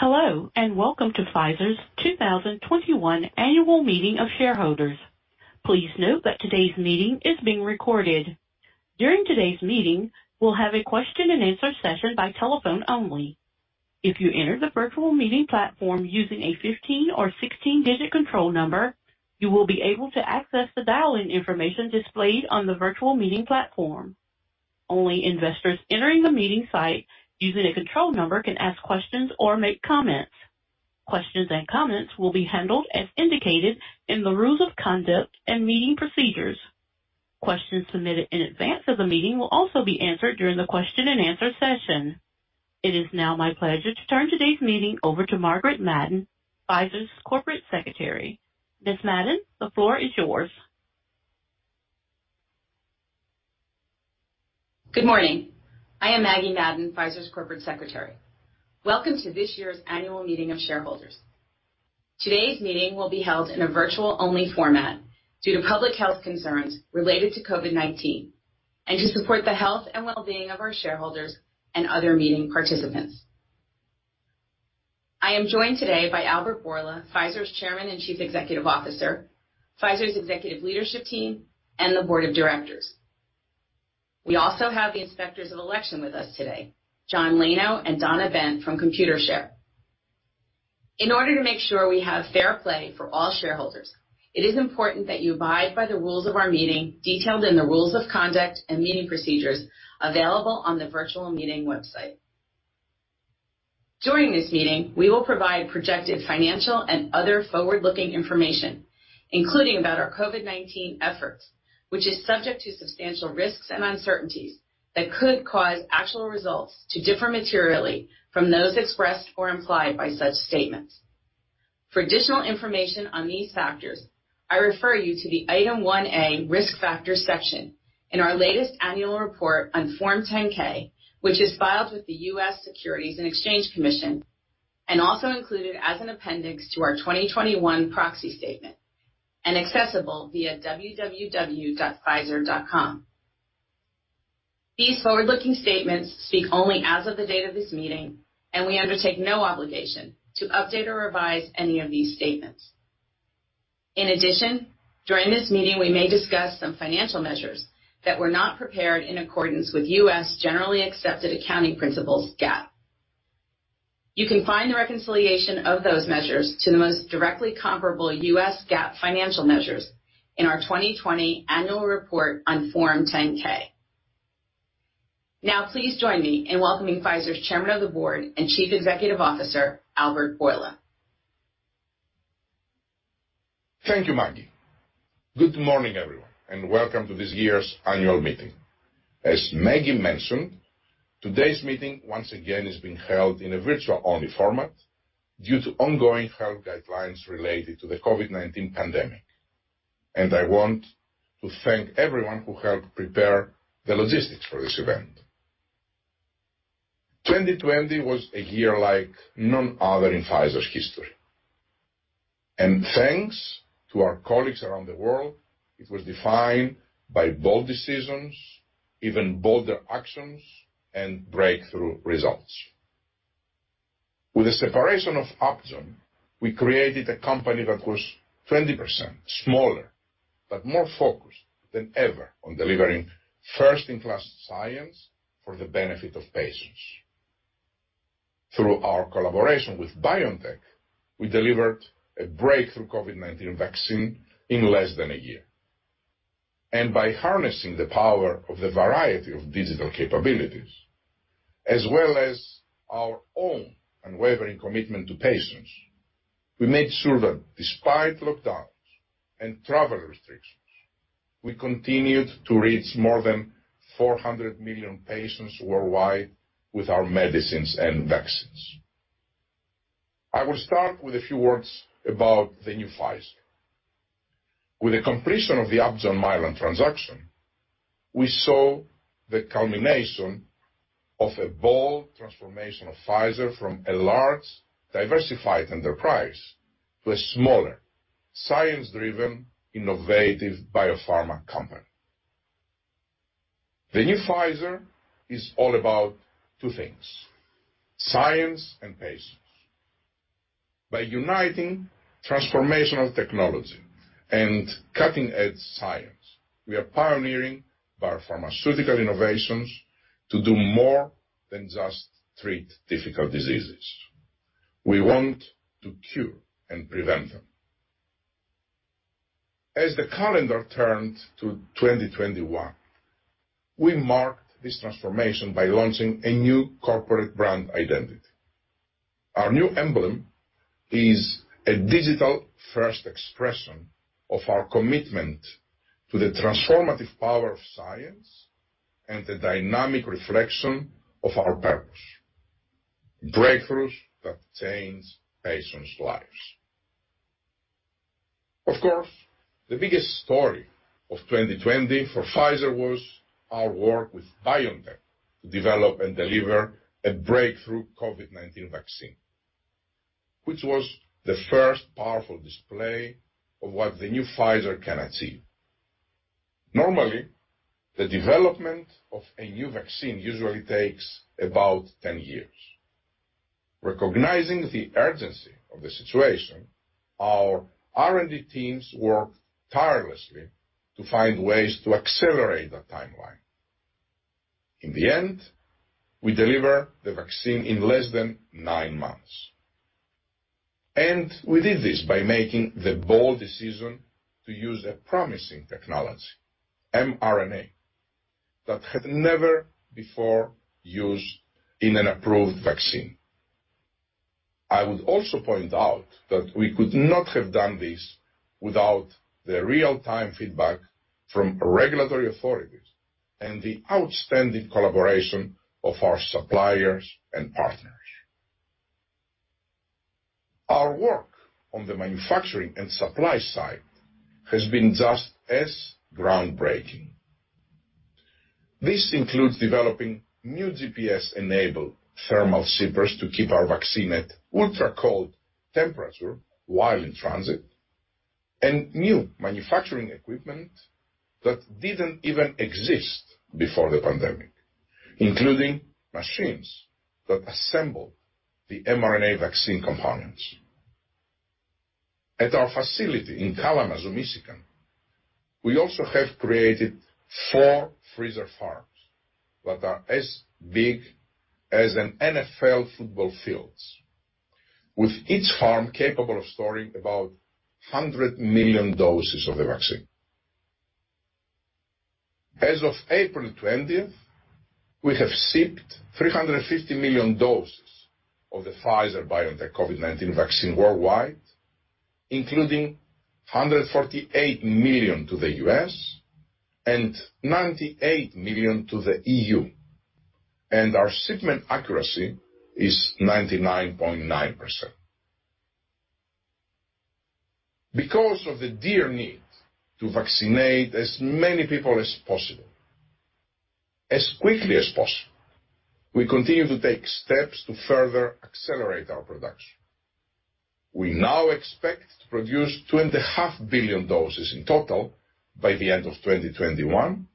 Hello, Welcome to Pfizer's 2021 annual meeting of shareholders. Please note that today's meeting is being recorded. During today's meeting, we'll have a question and answer session by telephone only. If you enter the virtual meeting platform using a 15 or 16-digit control number, you will be able to access the dial-in information displayed on the virtual meeting platform. Only investors entering the meeting site using a control number can ask questions or make comments. Questions and comments will be handled as indicated in the rules of conduct and meeting procedures. Questions submitted in advance of the meeting will also be answered during the question and answer session. It is now my pleasure to turn today's meeting over to Margaret Madden, Pfizer's Corporate Secretary. Ms. Madden, the floor is yours. Good morning. I am Maggie Madden, Pfizer's Corporate Secretary. Welcome to this year's annual meeting of shareholders. Today's meeting will be held in a virtual-only format due to public health concerns related to COVID-19 and to support the health and well-being of our shareholders and other meeting participants. I am joined today by Albert Bourla, Pfizer's Chairman and Chief Executive Officer, Pfizer's executive leadership team, and the board of directors. We also have the inspectors of election with us today, John Lano and Donna Bent from Computershare. In order to make sure we have fair play for all shareholders, it is important that you abide by the Rules of Conduct and Meeting Procedures available on the virtual meeting website. During this meeting, we will provide projected financial and other forward-looking information, including about our COVID-19 efforts, which is subject to substantial risks and uncertainties that could cause actual results to differ materially from those expressed or implied by such statements. For additional information on these factors, I refer you to the Item 1A Risk Factors section in our latest annual report on Form 10-K, which is filed with the U.S. Securities and Exchange Commission and also included as an appendix to our 2021 proxy statement and accessible via www.pfizer.com. These forward-looking statements speak only as of the date of this meeting, and we undertake no obligation to update or revise any of these statements. In addition, during this meeting, we may discuss some financial measures that were not prepared in accordance with U.S. generally accepted accounting principles, GAAP. You can find the reconciliation of those measures to the most directly comparable U.S. GAAP financial measures in our 2020 annual report on Form 10-K. Please join me in welcoming Pfizer's Chairman of the Board and Chief Executive Officer, Albert Bourla. Thank you, Maggie. Good morning, everyone, welcome to this year's annual meeting. As Maggie mentioned, today's meeting, once again, is being held in a virtual-only format due to ongoing health guidelines related to the COVID-19 pandemic. I want to thank everyone who helped prepare the logistics for this event. 2020 was a year like none other in Pfizer's history. Thanks to our colleagues around the world, it was defined by bold decisions, even bolder actions, and breakthrough results. With the separation of Upjohn, we created a company that was 20% smaller, but more focused than ever on delivering first-in-class science for the benefit of patients. Through our collaboration with BioNTech, we delivered a breakthrough COVID-19 vaccine in less than a year. By harnessing the power of the variety of digital capabilities, as well as our own unwavering commitment to patients, we made sure that despite lockdowns and travel restrictions, we continued to reach more than 400 million patients worldwide with our medicines and vaccines. I will start with a few words about the new Pfizer. With the completion of the Upjohn Mylan transaction, we saw the culmination of a bold transformation of Pfizer from a large, diversified enterprise to a smaller, science-driven, innovative biopharma company. The new Pfizer is all about two things, science and patients. By uniting transformational technology and cutting-edge science, we are pioneering biopharmaceutical innovations to do more than just treat difficult diseases. We want to cure and prevent them. As the calendar turned to 2021, we marked this transformation by launching a new corporate brand identity. Our new emblem is a digital-first expression of our commitment to the transformative power of science and the dynamic reflection of our purpose, breakthroughs that change patients' lives. The biggest story of 2020 for Pfizer was our work with BioNTech to develop and deliver a breakthrough COVID-19 vaccine, which was the first powerful display of what the new Pfizer can achieve. Normally, the development of a new vaccine usually takes about 10 years. Recognizing the urgency of the situation, our R&D teams worked tirelessly to find ways to accelerate that timeline. We deliver the vaccine in less than nine months. We did this by making the bold decision to use a promising technology, mRNA, that had never before used in an approved vaccine. I would also point out that we could not have done this without the real-time feedback from regulatory authorities and the outstanding collaboration of our suppliers and partners. Our work on the manufacturing and supply side has been just as groundbreaking. This includes developing new GPS-enabled thermal shippers to keep our vaccine at ultra-cold temperature while in transit, and new manufacturing equipment that didn't even exist before the pandemic, including machines that assemble the mRNA vaccine components. At our facility in Kalamazoo, Michigan, we also have created four freezer farms that are as big as an NFL football field, with each farm capable of storing about 100 million doses of the vaccine. As of April 20th, we have shipped 350 million doses of the Pfizer-BioNTech COVID-19 vaccine worldwide, including 148 million to the U.S. and 98 million to the EU, and our shipment accuracy is 99.9%. Because of the dire need to vaccinate as many people as possible, as quickly as possible, we continue to take steps to further accelerate our production. We now expect to produce 2.5 billion doses in total by the end of 2021,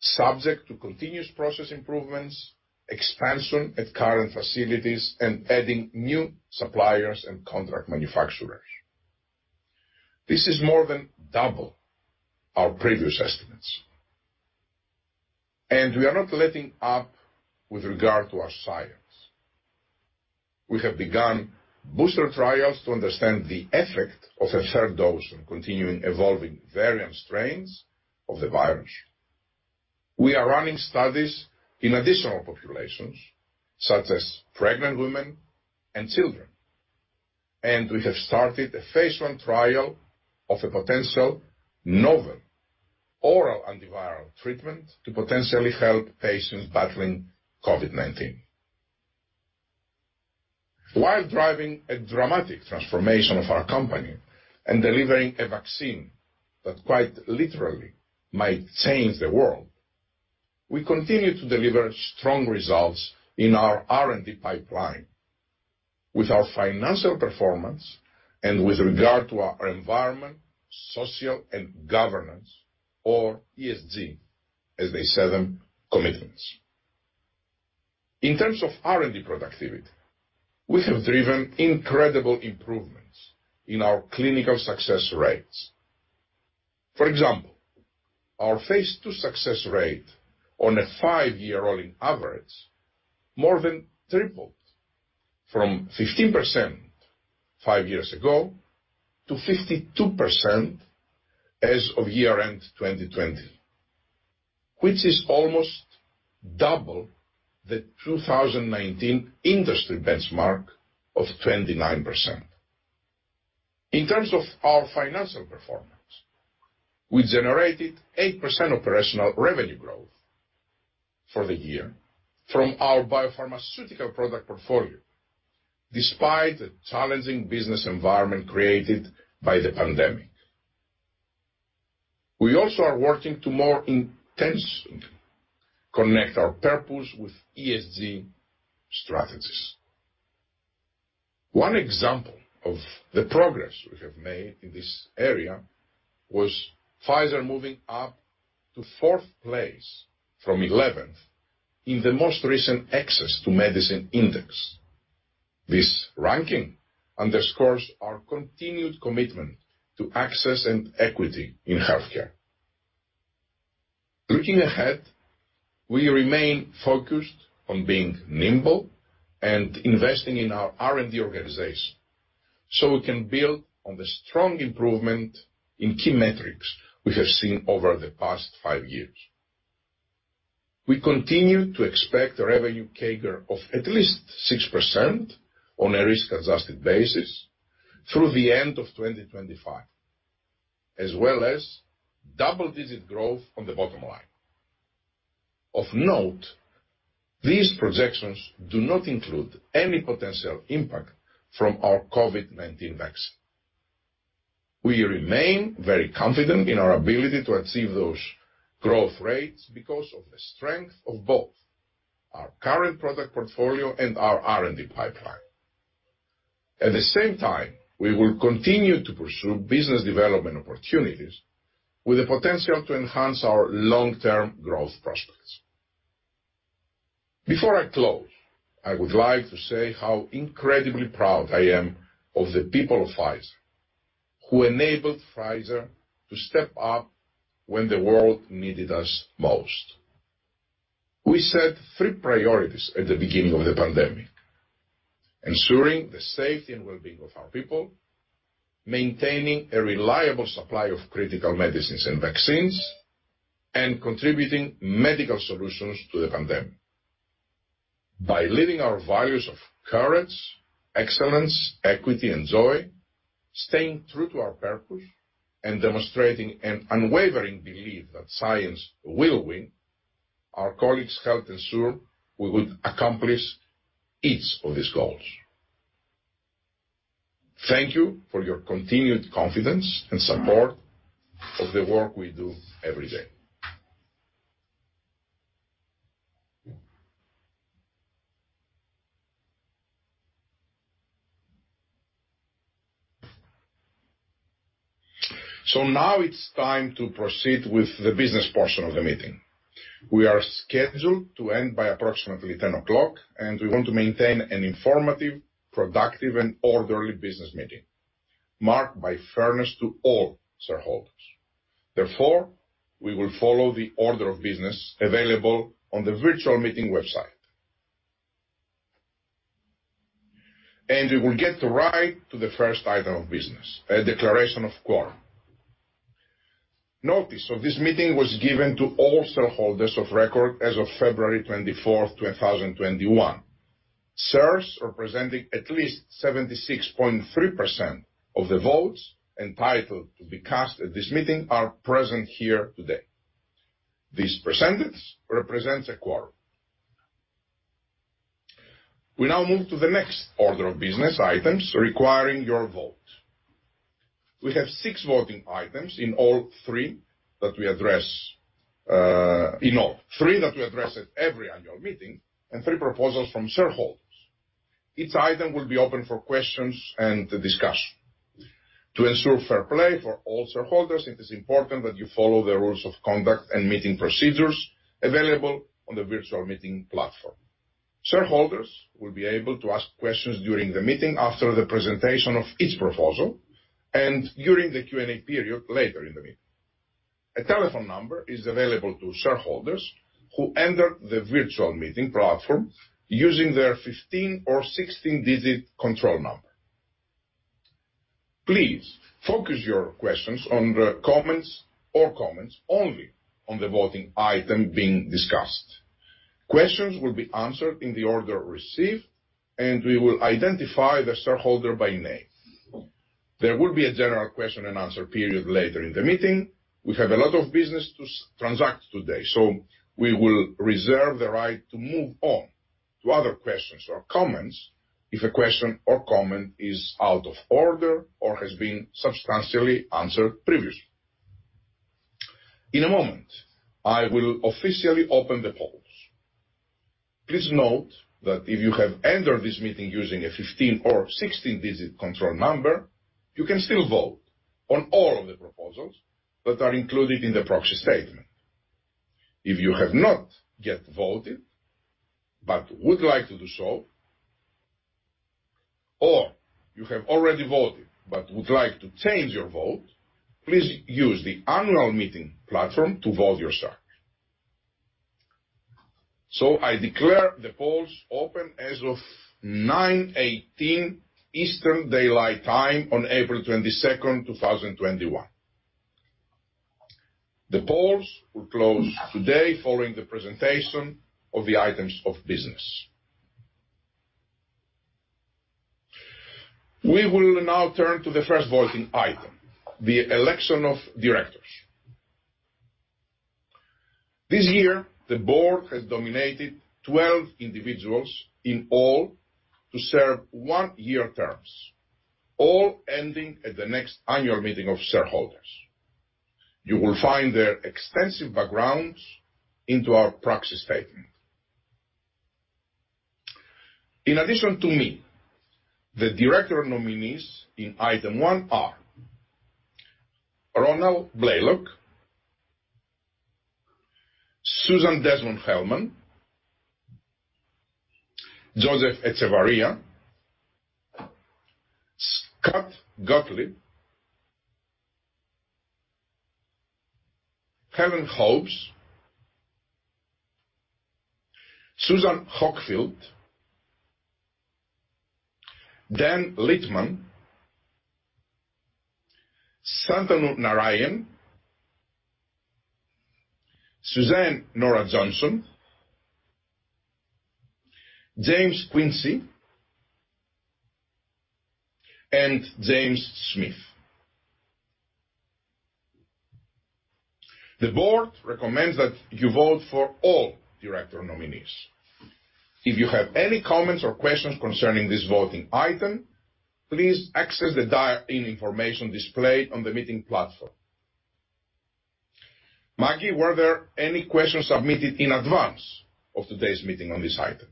subject to continuous process improvements, expansion at current facilities, and adding new suppliers and contract manufacturers. This is more than double our previous estimates. We are not letting up with regard to our science. We have begun booster trials to understand the effect of a third dose on continuing evolving variant strains of the virus. We are running studies in additional populations, such as pregnant women and children, and we have started a phase I trial of a potential novel oral antiviral treatment to potentially help patients battling COVID-19. While driving a dramatic transformation of our company and delivering a vaccine that quite literally might change the world, we continue to deliver strong results in our R&D pipeline with our financial performance and with regard to our environment, social, and governance, or ESG, as they say them, commitments. In terms of R&D productivity, we have driven incredible improvements in our clinical success rates. For example, our phase II success rate on a five-year rolling average more than tripled from 15% five years ago to 52% as of year-end 2020, which is almost double the 2019 industry benchmark of 29%. In terms of our financial performance, we generated 8% operational revenue growth for the year from our biopharmaceutical product portfolio, despite the challenging business environment created by the pandemic. We also are working to more intentionally connect our purpose with ESG strategies. One example of the progress we have made in this area was Pfizer moving up to fourth place from 11th in the most recent Access to Medicine Index. This ranking underscores our continued commitment to access and equity in healthcare. Looking ahead, we remain focused on being nimble and investing in our R&D organization so we can build on the strong improvement in key metrics we have seen over the past five years. We continue to expect a revenue CAGR of at least 6% on a risk-adjusted basis through the end of 2025, as well as double-digit growth on the bottom line. Of note, these projections do not include any potential impact from our COVID-19 vaccine. We remain very confident in our ability to achieve those growth rates because of the strength of both our current product portfolio and our R&D pipeline. At the same time, we will continue to pursue business development opportunities with the potential to enhance our long-term growth prospects. Before I close, I would like to say how incredibly proud I am of the people of Pfizer, who enabled Pfizer to step up when the world needed us most. We set three priorities at the beginning of the pandemic: ensuring the safety and well-being of our people, maintaining a reliable supply of critical medicines and vaccines, and contributing medical solutions to the pandemic. By living our values of courage, excellence, equity, and joy, staying true to our purpose, and demonstrating an unwavering belief that science will win, our colleagues helped ensure we would accomplish each of these goals. Thank you for your continued confidence and support of the work we do every day. Now it's time to proceed with the business portion of the meeting. We are scheduled to end by approximately 10 o'clock, and we want to maintain an informative, productive, and orderly business meeting, marked by fairness to all shareholders. Therefore, we will follow the order of business available on the virtual meeting website. We will get right to the first item of business, a declaration of quorum. Notice of this meeting was given to all shareholders of record as of February 24th, 2021. Shares representing at least 76.3% of the votes entitled to be cast at this meeting are present here today. This percentage represents a quorum. We now move to the next order of business items requiring your vote. We have six voting items in all. Three that we address at every annual meeting, and three proposals from shareholders. Each item will be open for questions and discussion. To ensure fair play for all shareholders, it is important that you follow the rules of conduct and meeting procedures available on the virtual meeting platform. Shareholders will be able to ask questions during the meeting after the presentation of each proposal and during the Q&A period later in the meeting. A telephone number is available to shareholders who enter the virtual meeting platform using their 15 or 16-digit control number. Please focus your questions or comments only on the voting item being discussed. Questions will be answered in the order received, and we will identify the shareholder by name. There will be a general question and answer period later in the meeting. We have a lot of business to transact today, so we will reserve the right to move on to other questions or comments if a question or comment is out of order or has been substantially answered previously. In a moment, I will officially open the polls. Please note that if you have entered this meeting using a 15 or 16-digit control number, you can still vote on all of the proposals that are included in the proxy statement. If you have not yet voted, but would like to do so, or you have already voted but would like to change your vote, please use the annual meeting platform to vote your shares. I declare the polls open as of 9:18 A.M. Eastern Daylight Time on April 22nd, 2021. The polls will close today following the presentation of the items of business. We will now turn to the first voting item, the election of directors. This year, the board has nominated 12 individuals in all to serve one-year terms, all ending at the next annual meeting of shareholders. You will find their extensive backgrounds in our proxy statement. In addition to me, the director nominees in item one are Ronald Blaylock, Susan Desmond-Hellmann, Joseph Echevarria, Scott Gottlieb, Helen Hobbs, Susan Hockfield, Dan Littman, Shantanu Narayen, Suzanne Nora Johnson, James Quincey, and James Smith. The board recommends that you vote for all director nominees. If you have any comments or questions concerning this voting item, please access the dial-in information displayed on the meeting platform. Maggie, were there any questions submitted in advance of today's meeting on this item?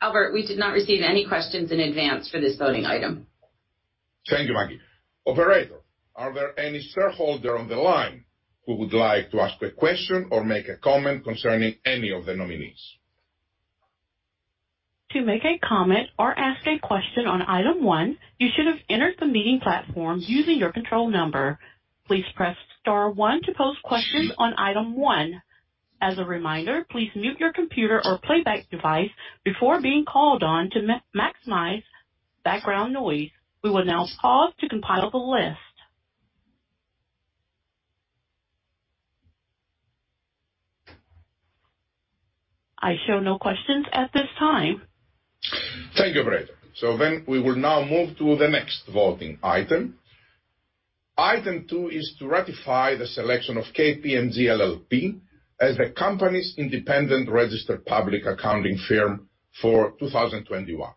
Albert, we did not receive any questions in advance for this voting item. Thank you, Maggie. Operator, are there any shareholder on the line who would like to ask a question or make a comment concerning any of the nominees? To make a comment or ask a question on item one, you should have entered the meeting platform using your control number. Please press star one to pose questions on item one. As a reminder, please mute your computer or playback device before being called on to minimize background noise. We will now pause to compile the list. I show no questions at this time. Thank you, operator. We will now move to the next voting item. Item two is to ratify the selection of KPMG LLP as the company's independent registered public accounting firm for 2021.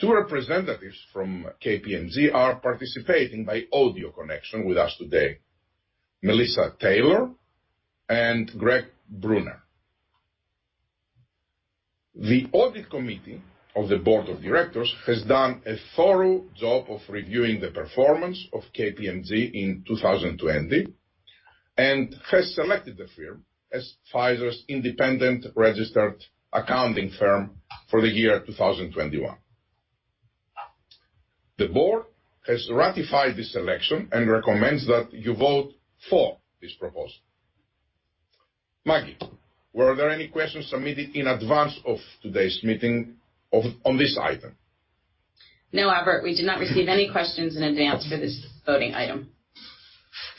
Two representatives from KPMG are participating by audio connection with us today, Melissa Taylor and Greg Brunner. The audit committee of the board of directors has done a thorough job of reviewing the performance of KPMG in 2020 and has selected the firm as Pfizer's independent registered accounting firm for the year 2021. The board has ratified this selection and recommends that you vote for this proposal. Maggie, were there any questions submitted in advance of today's meeting on this item? No, Albert, we did not receive any questions in advance for this voting item.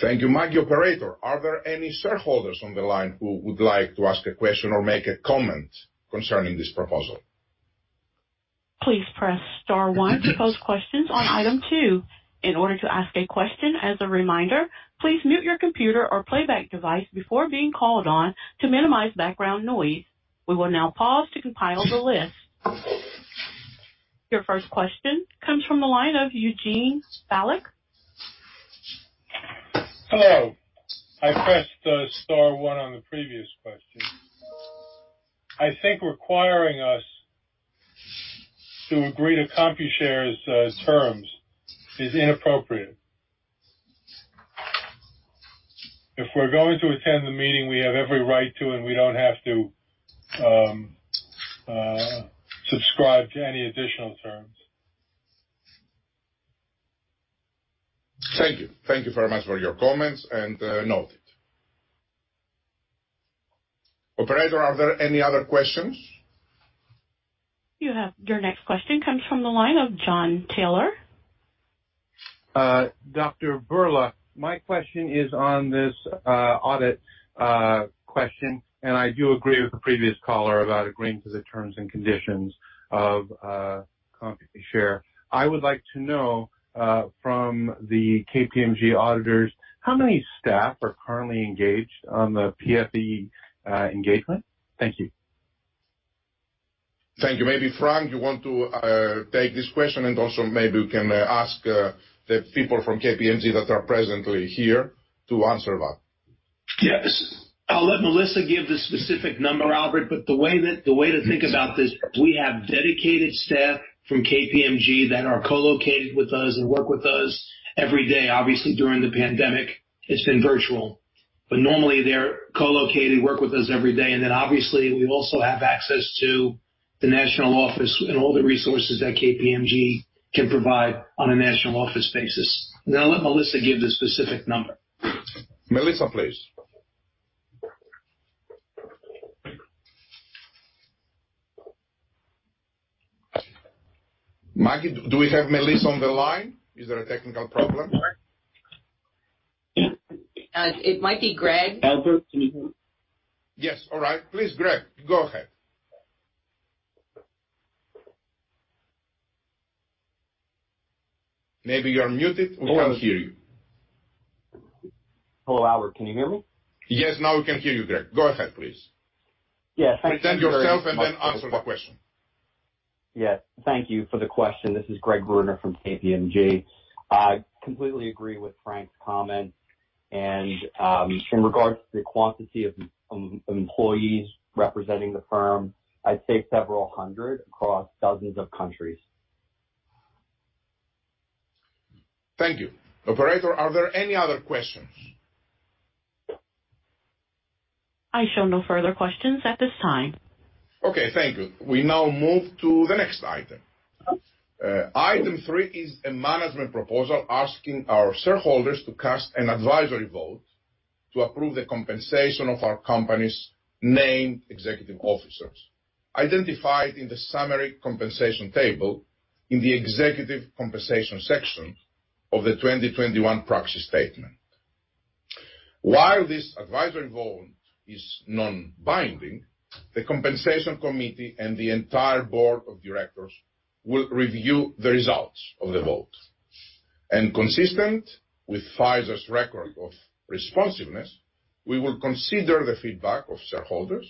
Thank you, Maggie. Operator, are there any shareholders on the line who would like to ask a question or make a comment concerning this proposal? Please press star one to pose questions on item two. In order to ask a question, as a reminder, please mute your computer or playback device before being called on to minimize background noise. We will now pause to compile the list. Your 1st question comes from the line of Eugene Falik. Hello. I pressed star one on the previous question. I think requiring us to agree to Computershare's terms is inappropriate. If we're going to attend the meeting, we have every right to, and we don't have to subscribe to any additional terms. Thank you. Thank you very much for your comments. Noted. Operator, are there any other questions? You have your next question comes from the line of John Taylor. Dr. Bourla, my question is on this audit question, and I do agree with the previous caller about agreeing to the terms and conditions of Computershare. I would like to know, from the KPMG auditors, how many staff are currently engaged on the PFE engagement? Thank you. Thank you. Maybe, Frank, you want to take this question, and also maybe we can ask the people from KPMG that are presently here to answer that. Yes. I'll let Melissa give the specific number, Albert. The way to think about this, we have dedicated staff from KPMG that are co-located with us and work with us every day. Obviously, during the pandemic it's been virtual, but normally they're co-located, work with us every day. Obviously we also have access to the national office and all the resources that KPMG can provide on a national office basis. I'll let Melissa give the specific number. Melissa, please. Maggie, do we have Melissa on the line? Is there a technical problem? It might be Greg. Albert, can you hear me? Yes. All right. Please, Greg, go ahead. Maybe you're muted. We can't hear you. Hello, Albert. Can you hear me? Yes, now we can hear you, Greg. Go ahead, please. Yes. Thank you very much. Present yourself and then answer the question. Yes. Thank you for the question. This is Greg Brunner from KPMG. I completely agree with Frank's comment. In regards to the quantity of employees representing the firm, I'd say several hundred across dozens of countries. Thank you. Operator, are there any other questions? I show no further questions at this time. Okay, thank you. We now move to the next item. Item three is a management proposal asking our shareholders to cast an advisory vote to approve the compensation of our company's named Executive Officers, identified in the summary compensation table in the executive compensation section of the 2021 proxy statement. While this advisory vote is non-binding, the compensation committee and the entire board of directors will review the results of the vote. Consistent with Pfizer's record of responsiveness, we will consider the feedback of shareholders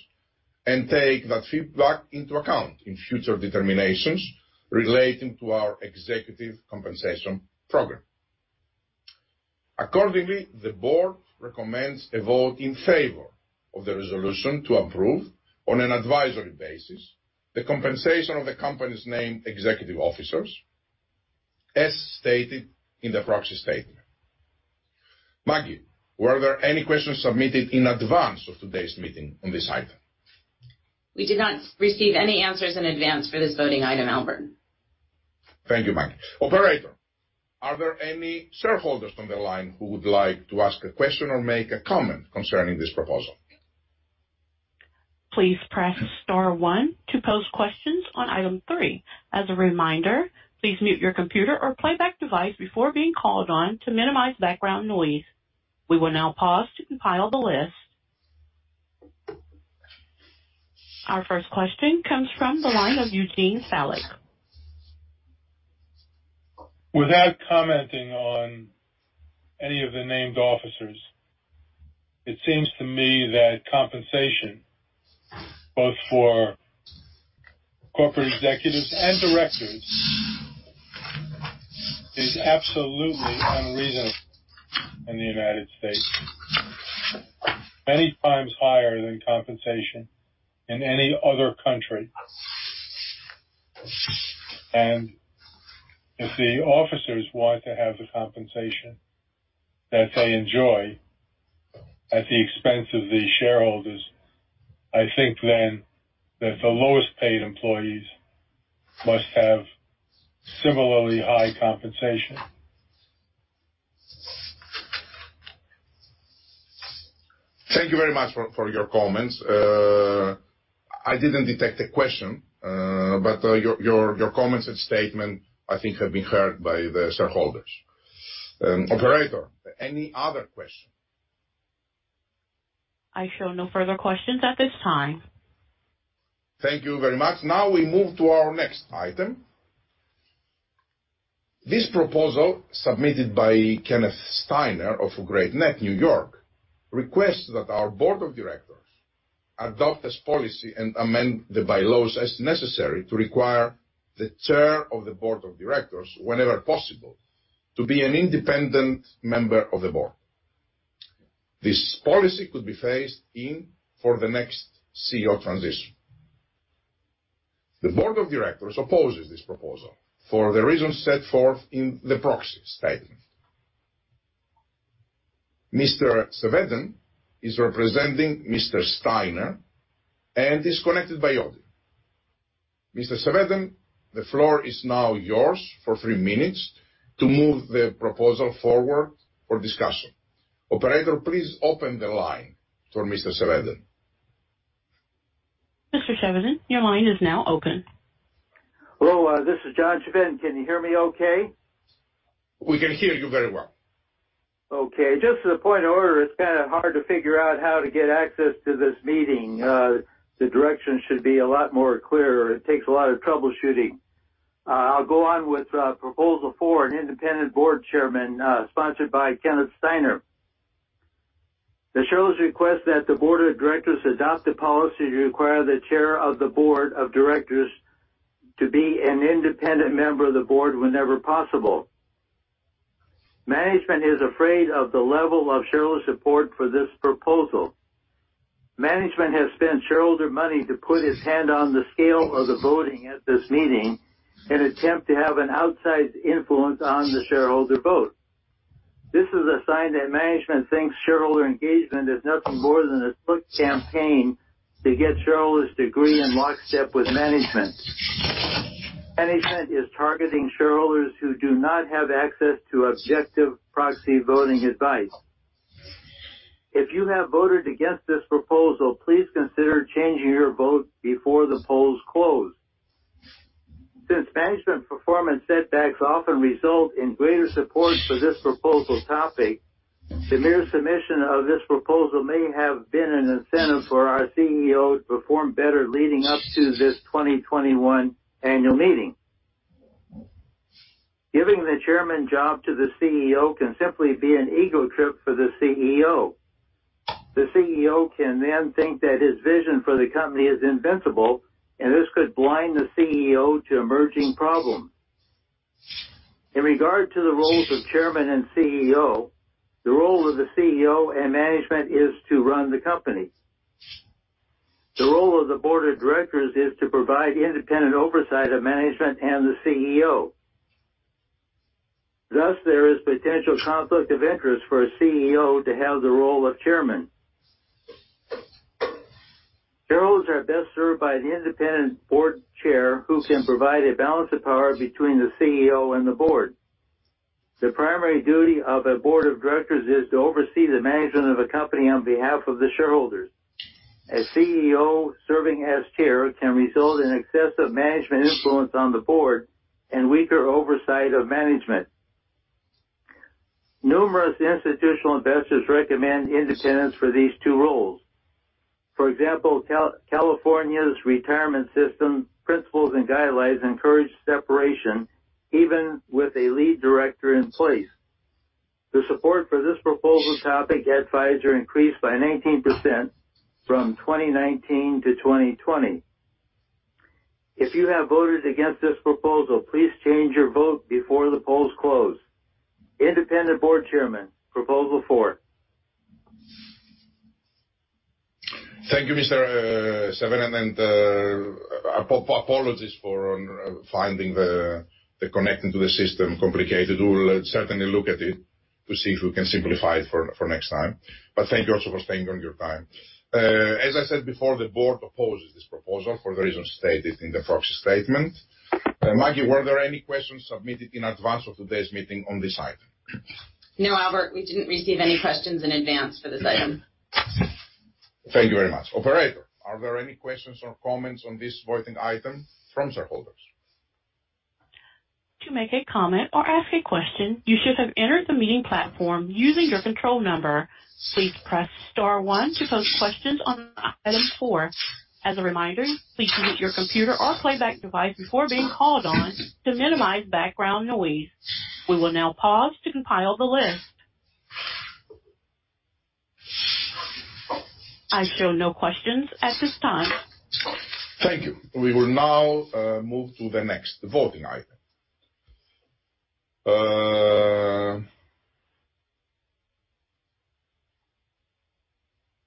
and take that feedback into account in future determinations relating to our executive compensation program. Accordingly, the board recommends a vote in favor of the resolution to approve, on an advisory basis, the compensation of the company's named executive officers as stated in the proxy statement. Maggie, were there any questions submitted in advance of today's meeting on this item? We did not receive any answers in advance for this voting item, Albert. Thank you, Maggie. Operator, are there any shareholders on the line who would like to ask a question or make a comment concerning this proposal? Please press star one to pose questions on item three. As a reminder, please mute your computer or playback device before being called on to minimize background noise. We will now pause to compile the list. Our 1st question comes from the line of Eugene Falik. Without commenting on any of the named officers, it seems to me that compensation, both for corporate executives and directors, is absolutely unreasonable in the U.S. Many times higher than compensation in any other country. If the officers want to have the compensation that they enjoy at the expense of the shareholders, I think then that the lowest-paid employees must have similarly high compensation. Thank you very much for your comments. I didn't detect a question. Your comments and statement, I think, have been heard by the shareholders. Operator, any other question? I show no further questions at this time. Thank you very much. Now we move to our next item. This proposal, submitted by Kenneth Steiner of Great Neck, New York, requests that our board of directors adopt as policy and amend the bylaws as necessary to require the chair of the board of directors, whenever possible, to be an independent member of the board. This policy could be phased in for the next CEO transition. The board of directors opposes this proposal for the reasons set forth in the proxy statement. Mr. Chevedden is representing Mr. Steiner and is connected by audio. Mr. Chevedden, the floor is now yours for three minutes to move the proposal forward for discussion. Operator, please open the line for Mr. Chevedden. Mr. Chevedden, your line is now open. Hello, this is John Chevedden. Can you hear me okay? We can hear you very well. Okay. Just as a point of order, it's kind of hard to figure out how to get access to this meeting. The directions should be a lot more clearer. It takes a lot of troubleshooting. I'll go on with proposal four, an independent board chairman, sponsored by Kenneth Steiner. The shareholders request that the board of directors adopt a policy to require the chair of the board of directors to be an independent member of the board whenever possible. Management is afraid of the level of shareholder support for this proposal. Management has spent shareholder money to put its hand on the scale of the voting at this meeting in attempt to have an outsized influence on the shareholder vote. This is a sign that management thinks shareholder engagement is nothing more than a slick campaign to get shareholders to agree in lockstep with management. Management is targeting shareholders who do not have access to objective proxy voting advice. If you have voted against this proposal, please consider changing your vote before the polls close. Since management performance setbacks often result in greater support for this proposal topic, the mere submission of this proposal may have been an incentive for our CEO to perform better leading up to this 2021 annual meeting. Giving the chairman job to the CEO can simply be an ego trip for the CEO. The CEO can then think that his vision for the company is invincible, and this could blind the CEO to emerging problems. In regard to the roles of Chairman and CEO, the role of the CEO and management is to run the company. The role of the board of directors is to provide independent oversight of management and the CEO. There is potential conflict of interest for a CEO to have the role of Chairman. Shareholders are best served by an independent board chair who can provide a balance of power between the CEO and the board. The primary duty of a board of directors is to oversee the management of a company on behalf of the shareholders. A CEO serving as chair can result in excessive management influence on the board and weaker oversight of management. Numerous institutional investors recommend independence for these two roles. For example, California's Retirement System Principles and Guidelines encourage separation even with a lead director in place. The support for this proposal topic at Pfizer increased by 19% from 2019-2020. If you have voted against this proposal, please change your vote before the polls close. Independent board chairman, proposal four. Thank you, Mr. Chevedden. Apologies for finding the connecting to the system complicated. We will certainly look at it to see if we can simplify it for next time. Thank you also for spending your time. As I said before, the board opposes this proposal for the reasons stated in the proxy statement. Maggie, were there any questions submitted in advance of today's meeting on this item? No, Albert, we didn't receive any questions in advance for this item. Thank you very much. Operator, are there any questions or comments on this voting item from shareholders? To make a comment or ask a question, you should have entered the meeting platform using your control number. Please press star one to pose questions on item four. As a reminder, please mute your computer or playback device before being called on to minimize background noise. We will now pause to compile the list. I show no questions at this time. Thank you. We will now move to the next voting item.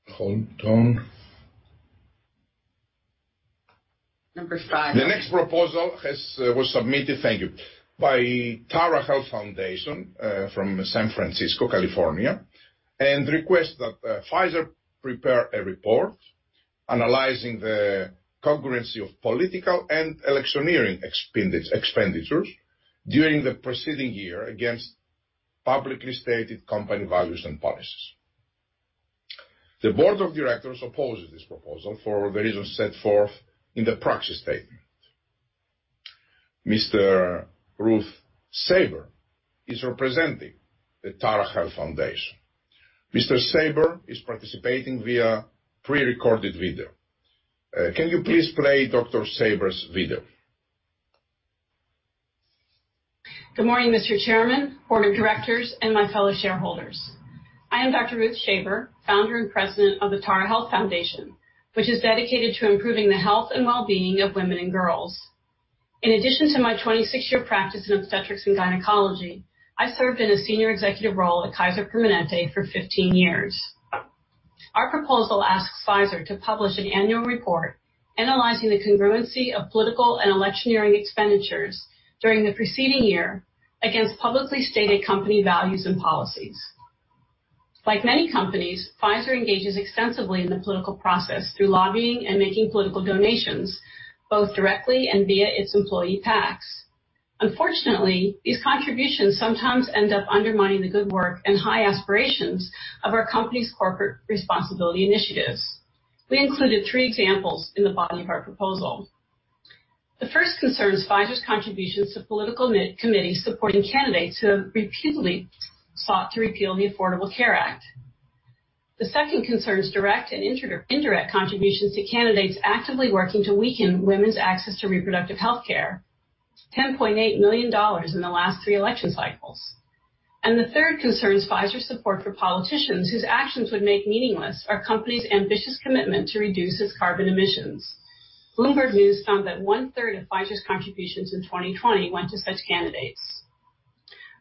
Hold on. Number five. The next proposal was submitted, thank you, by Tara Health Foundation, from San Francisco, California, and requests that Pfizer prepare a report analyzing the congruency of political and electioneering expenditures during the preceding year against publicly stated company values and policies. The Board of Directors opposes this proposal for the reasons set forth in the proxy statement. Mr. Ruth Shaber is representing the Tara Health Foundation. Mr. Shaber is participating via pre-recorded video. Can you please play Dr. Shaber's video? Good morning, Mr. Chairman, board of directors, and my fellow shareholders. I am Dr. Ruth Shaber, Founder and President of the Tara Health Foundation, which is dedicated to improving the health and well-being of women and girls. In addition to my 26-year practice in obstetrics and gynecology, I served in a senior executive role at Kaiser Permanente for 15 years. Our proposal asks Pfizer to publish an annual report analyzing the congruency of political and electioneering expenditures during the preceding year against publicly stated company values and policies. Like many companies, Pfizer engages extensively in the political process through lobbying and making political donations, both directly and via its employee PACs. Unfortunately, these contributions sometimes end up undermining the good work and high aspirations of our company's corporate responsibility initiatives. We included three examples in the body of our proposal. The 1st concerns Pfizer's contributions to political committees supporting candidates who have repeatedly sought to repeal the Affordable Care Act. The 2nd concerns direct and indirect contributions to candidates actively working to weaken women's access to reproductive healthcare. $10.8 million in the last three election cycles. The 3rd concerns Pfizer's support for politicians whose actions would make meaningless our company's ambitious commitment to reduce its carbon emissions. Bloomberg News found that one-third of Pfizer's contributions in 2020 went to such candidates.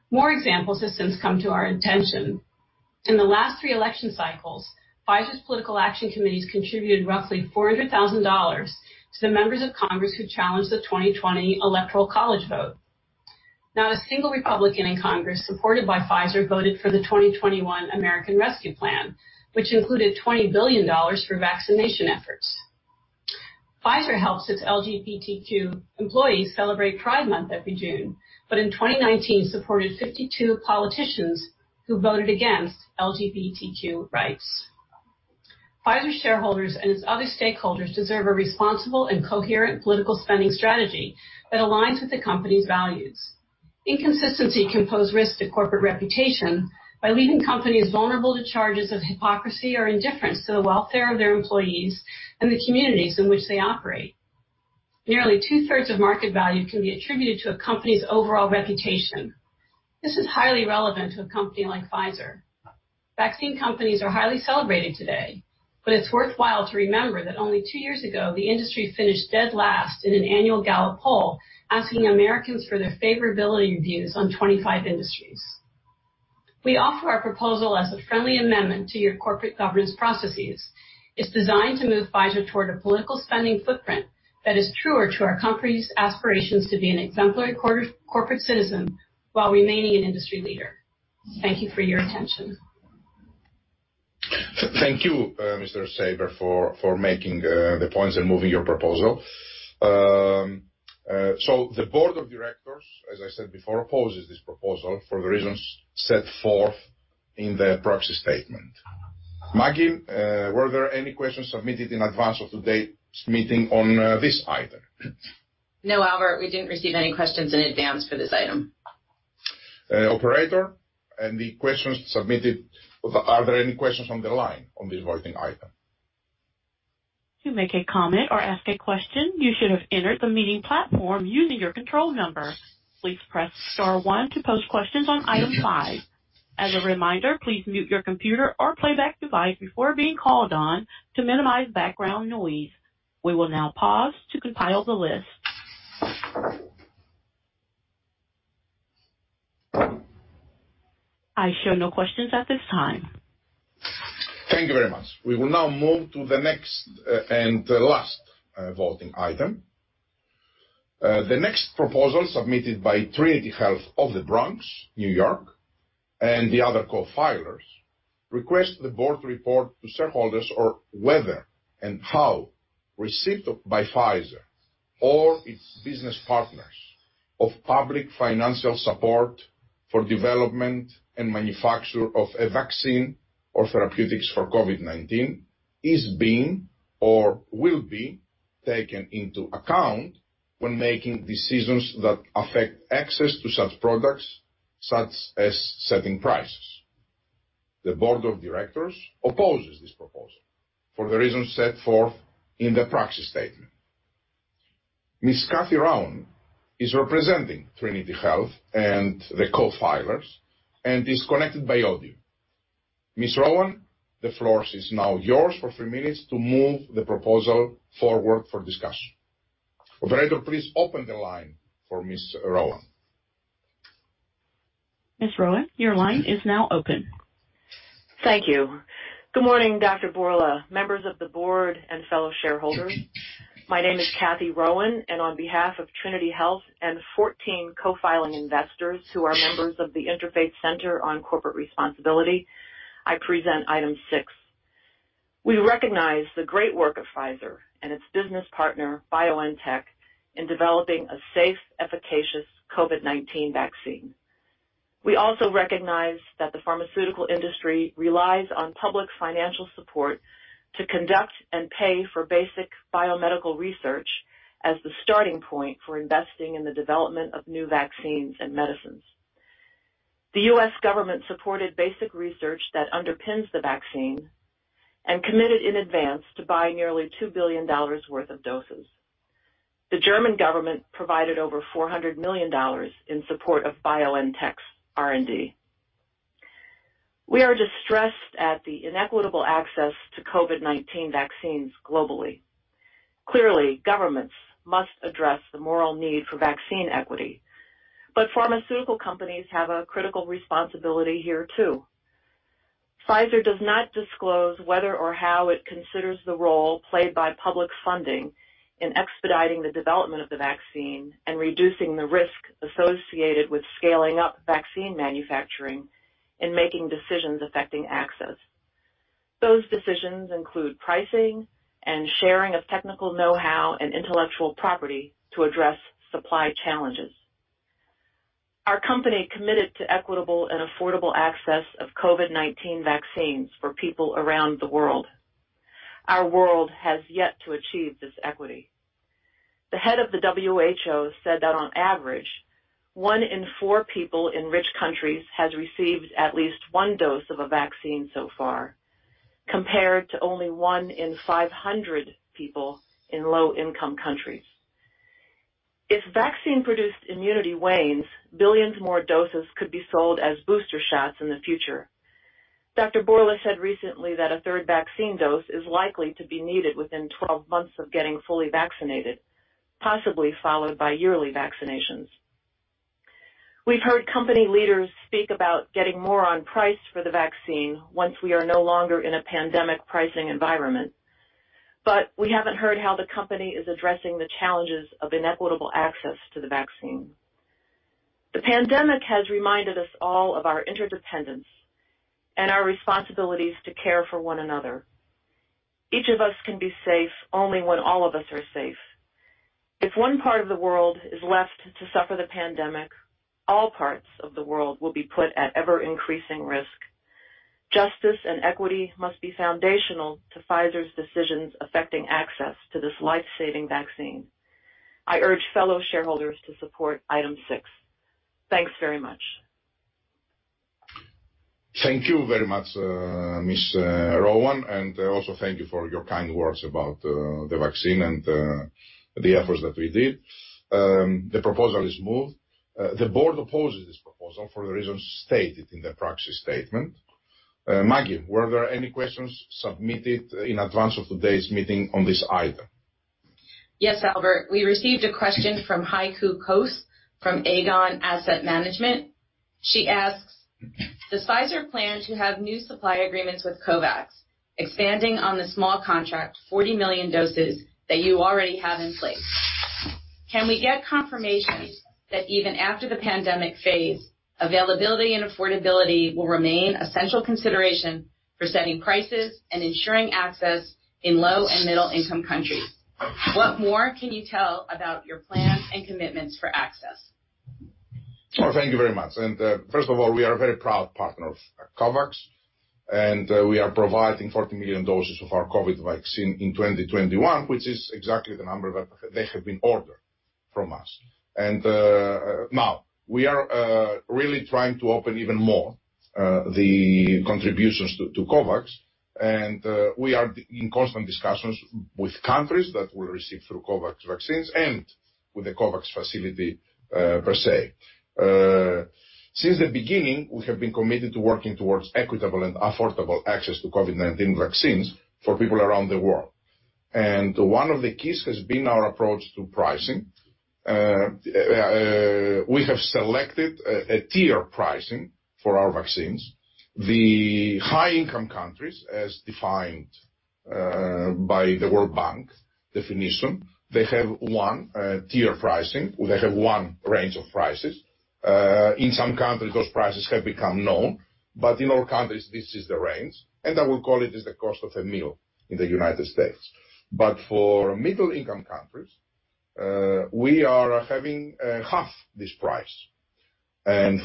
More examples since come to our attention. In the last three election cycles, Pfizer's political action committees contributed roughly $400,000 to the members of Congress who challenged the 2020 electoral college vote. Not a single Republican in Congress supported by Pfizer voted for the 2021 American Rescue Plan, which included $20 billion for vaccination efforts. Pfizer helps its LGBTQ employees celebrate Pride Month every June, but in 2019 supported 52 politicians who voted against LGBTQ rights. Pfizer shareholders and its other stakeholders deserve a responsible and coherent political spending strategy that aligns with the company's values. Inconsistency can pose risks to corporate reputation by leaving companies vulnerable to charges of hypocrisy or indifference to the welfare of their employees and the communities in which they operate. Nearly two-thirds of market value can be attributed to a company's overall reputation. This is highly relevant to a company like Pfizer. Vaccine companies are highly celebrated today, but it's worthwhile to remember that only two years ago, the industry finished dead last in an annual Gallup poll asking Americans for their favorability views on 25 industries. We offer our proposal as a friendly amendment to your corporate governance processes. It's designed to move Pfizer toward a political spending footprint that is truer to our company's aspirations to be an exemplary corporate citizen while remaining an industry leader. Thank you for your attention. Thank you, Mr. Shaber, for making the points and moving your proposal. The board of directors, as I said before, opposes this proposal for the reasons set forth in the proxy statement. Maggie, were there any questions submitted in advance of today's meeting on this item? No, Albert, we didn't receive any questions in advance for this item. Operator, Are there any questions on the line on this voting item? To make a comment or ask a question, you should have entered the meeting platform using your control number. Please press star one to post questions on item five. As a reminder, please mute your computer or playback device before being called on to minimize background noise. We will now pause to compile the list. I show no questions at this time. Thank you very much. We will now move to the next and the last voting item. The next proposal submitted by Trinity Health of the Bronx, N.Y., and the other co-filers, request the board report to shareholders on whether and how receipt by Pfizer or its business partners of public financial support for development and manufacture of a vaccine or therapeutics for COVID-19 is being or will be taken into account when making decisions that affect access to such products, such as setting prices. The board of directors opposes this proposal for the reasons set forth in the proxy statement. Ms. Catherine Rowan is representing Trinity Health and the co-filers and is connected by audio. Ms. Rowan, the floor is now yours for three minutes to move the proposal forward for discussion. Operator, please open the line for Ms. Rowan. Ms. Rowan, your line is now open. Thank you. Good morning, Dr. Bourla, members of the board, fellow shareholders. My name is Kathy Rowan, on behalf of Trinity Health and 14 co-filing investors who are members of the Interfaith Center on Corporate Responsibility, I present item six. We recognize the great work of Pfizer and its business partner, BioNTech, in developing a safe, efficacious COVID-19 vaccine. We also recognize that the pharmaceutical industry relies on public financial support to conduct and pay for basic biomedical research as the starting point for investing in the development of new vaccines and medicines. The U.S. government supported basic research that underpins the vaccine and committed in advance to buy nearly $2 billion worth of doses. The German government provided over $400 million in support of BioNTech's R&D. We are distressed at the inequitable access to COVID-19 vaccines globally. Clearly, governments must address the moral need for vaccine equity, but pharmaceutical companies have a critical responsibility here, too. Pfizer does not disclose whether or how it considers the role played by public funding in expediting the development of the vaccine and reducing the risk associated with scaling up vaccine manufacturing in making decisions affecting access. Those decisions include pricing and sharing of technical know-how and intellectual property to address supply challenges. Our company committed to equitable and affordable access of COVID-19 vaccines for people around the world. Our world has yet to achieve this equity. The head of the WHO said that on average, one in four people in rich countries has received at least one dose of a vaccine so far, compared to only one in 500 people in low-income countries. If vaccine-produced immunity wanes, billions more doses could be sold as booster shots in the future. Dr. Bourla said recently that a third vaccine dose is likely to be needed within 12 months of getting fully vaccinated, possibly followed by yearly vaccinations. We've heard company leaders speak about getting more on price for the vaccine once we are no longer in a pandemic pricing environment. We haven't heard how the company is addressing the challenges of inequitable access to the vaccine. The pandemic has reminded us all of our interdependence and our responsibilities to care for one another. Each of us can be safe only when all of us are safe. If one part of the world is left to suffer the pandemic, all parts of the world will be put at ever-increasing risk. Justice and equity must be foundational to Pfizer's decisions affecting access to this life-saving vaccine. I urge fellow shareholders to support item six. Thanks very much. Thank you very much, Ms. Rowan, and also thank you for your kind words about the vaccine and the efforts that we did. The proposal is moved. The Board opposes this proposal for the reasons stated in the proxy statement. Maggie, were there any questions submitted in advance of today's meeting on this item? Yes, Albert. We received a question from Heike Cosse from Aegon Asset Management. She asks, Does Pfizer plan to have new supply agreements with COVAX, expanding on the small contract, 40 million doses, that you already have in place? Can we get confirmation that even after the pandemic phase, availability and affordability will remain a central consideration for setting prices and ensuring access in low and middle-income countries? What more can you tell about your plans and commitments for access? Thank you very much. First of all, we are a very proud partner of COVAX, and we are providing 40 million doses of our COVID vaccine in 2021, which is exactly the number that they have ordered from us. Now we are really trying to open even more the contributions to COVAX, and we are in constant discussions with countries that will receive through COVAX vaccines and with the COVAX facility per se. Since the beginning, we have been committed to working towards equitable and affordable access to COVID-19 vaccines for people around the world. One of the keys has been our approach to pricing. We have selected a tier pricing for our vaccines. The high-income countries, as defined by the World Bank definition, they have one tier pricing. They have one range of prices. In some countries, those prices have become known, but in other countries, this is the range, and I will call it is the cost of a meal in the U.S. For middle-income countries, we are having half this price.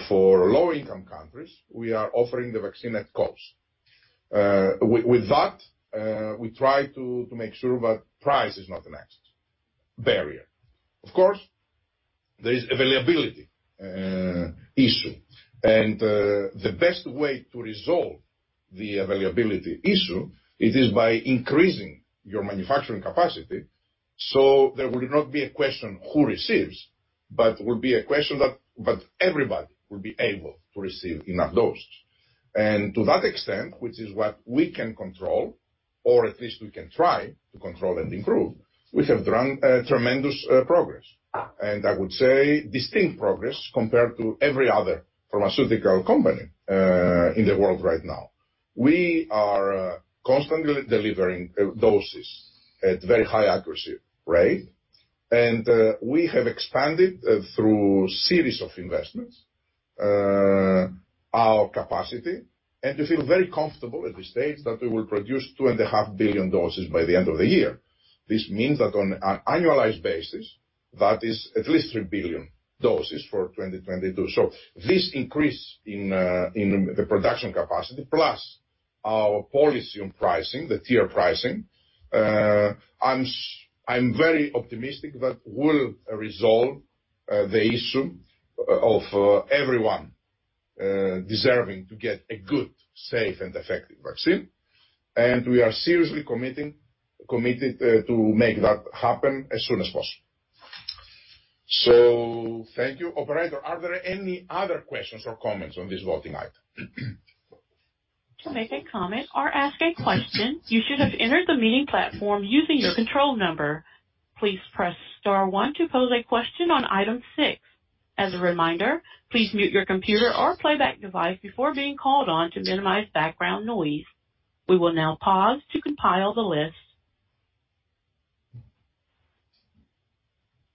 For low-income countries, we are offering the vaccine at cost. With that, we try to make sure that price is not an access barrier. Of course, there is availability issue, and the best way to resolve the availability issue, it is by increasing your manufacturing capacity. There will not be a question who receives, but will be a question that everybody will be able to receive enough doses. To that extent, which is what we can control, or at least we can try to control and improve, we have tremendous progress. I would say distinct progress compared to every other pharmaceutical company in the world right now. We are constantly delivering doses at very high accuracy rate. We have expanded through series of investments our capacity, and we feel very comfortable at this stage that we will produce 2.5 billion doses by the end of the year. This means that on an annualized basis, that is at least 3 billion doses for 2022. This increase in the production capacity plus our policy on pricing, the tier pricing, I am very optimistic that will resolve the issue of everyone deserving to get a good, safe, and effective vaccine. We are seriously committed to make that happen as soon as possible. Thank you. Operator, are there any other questions or comments on this voting item?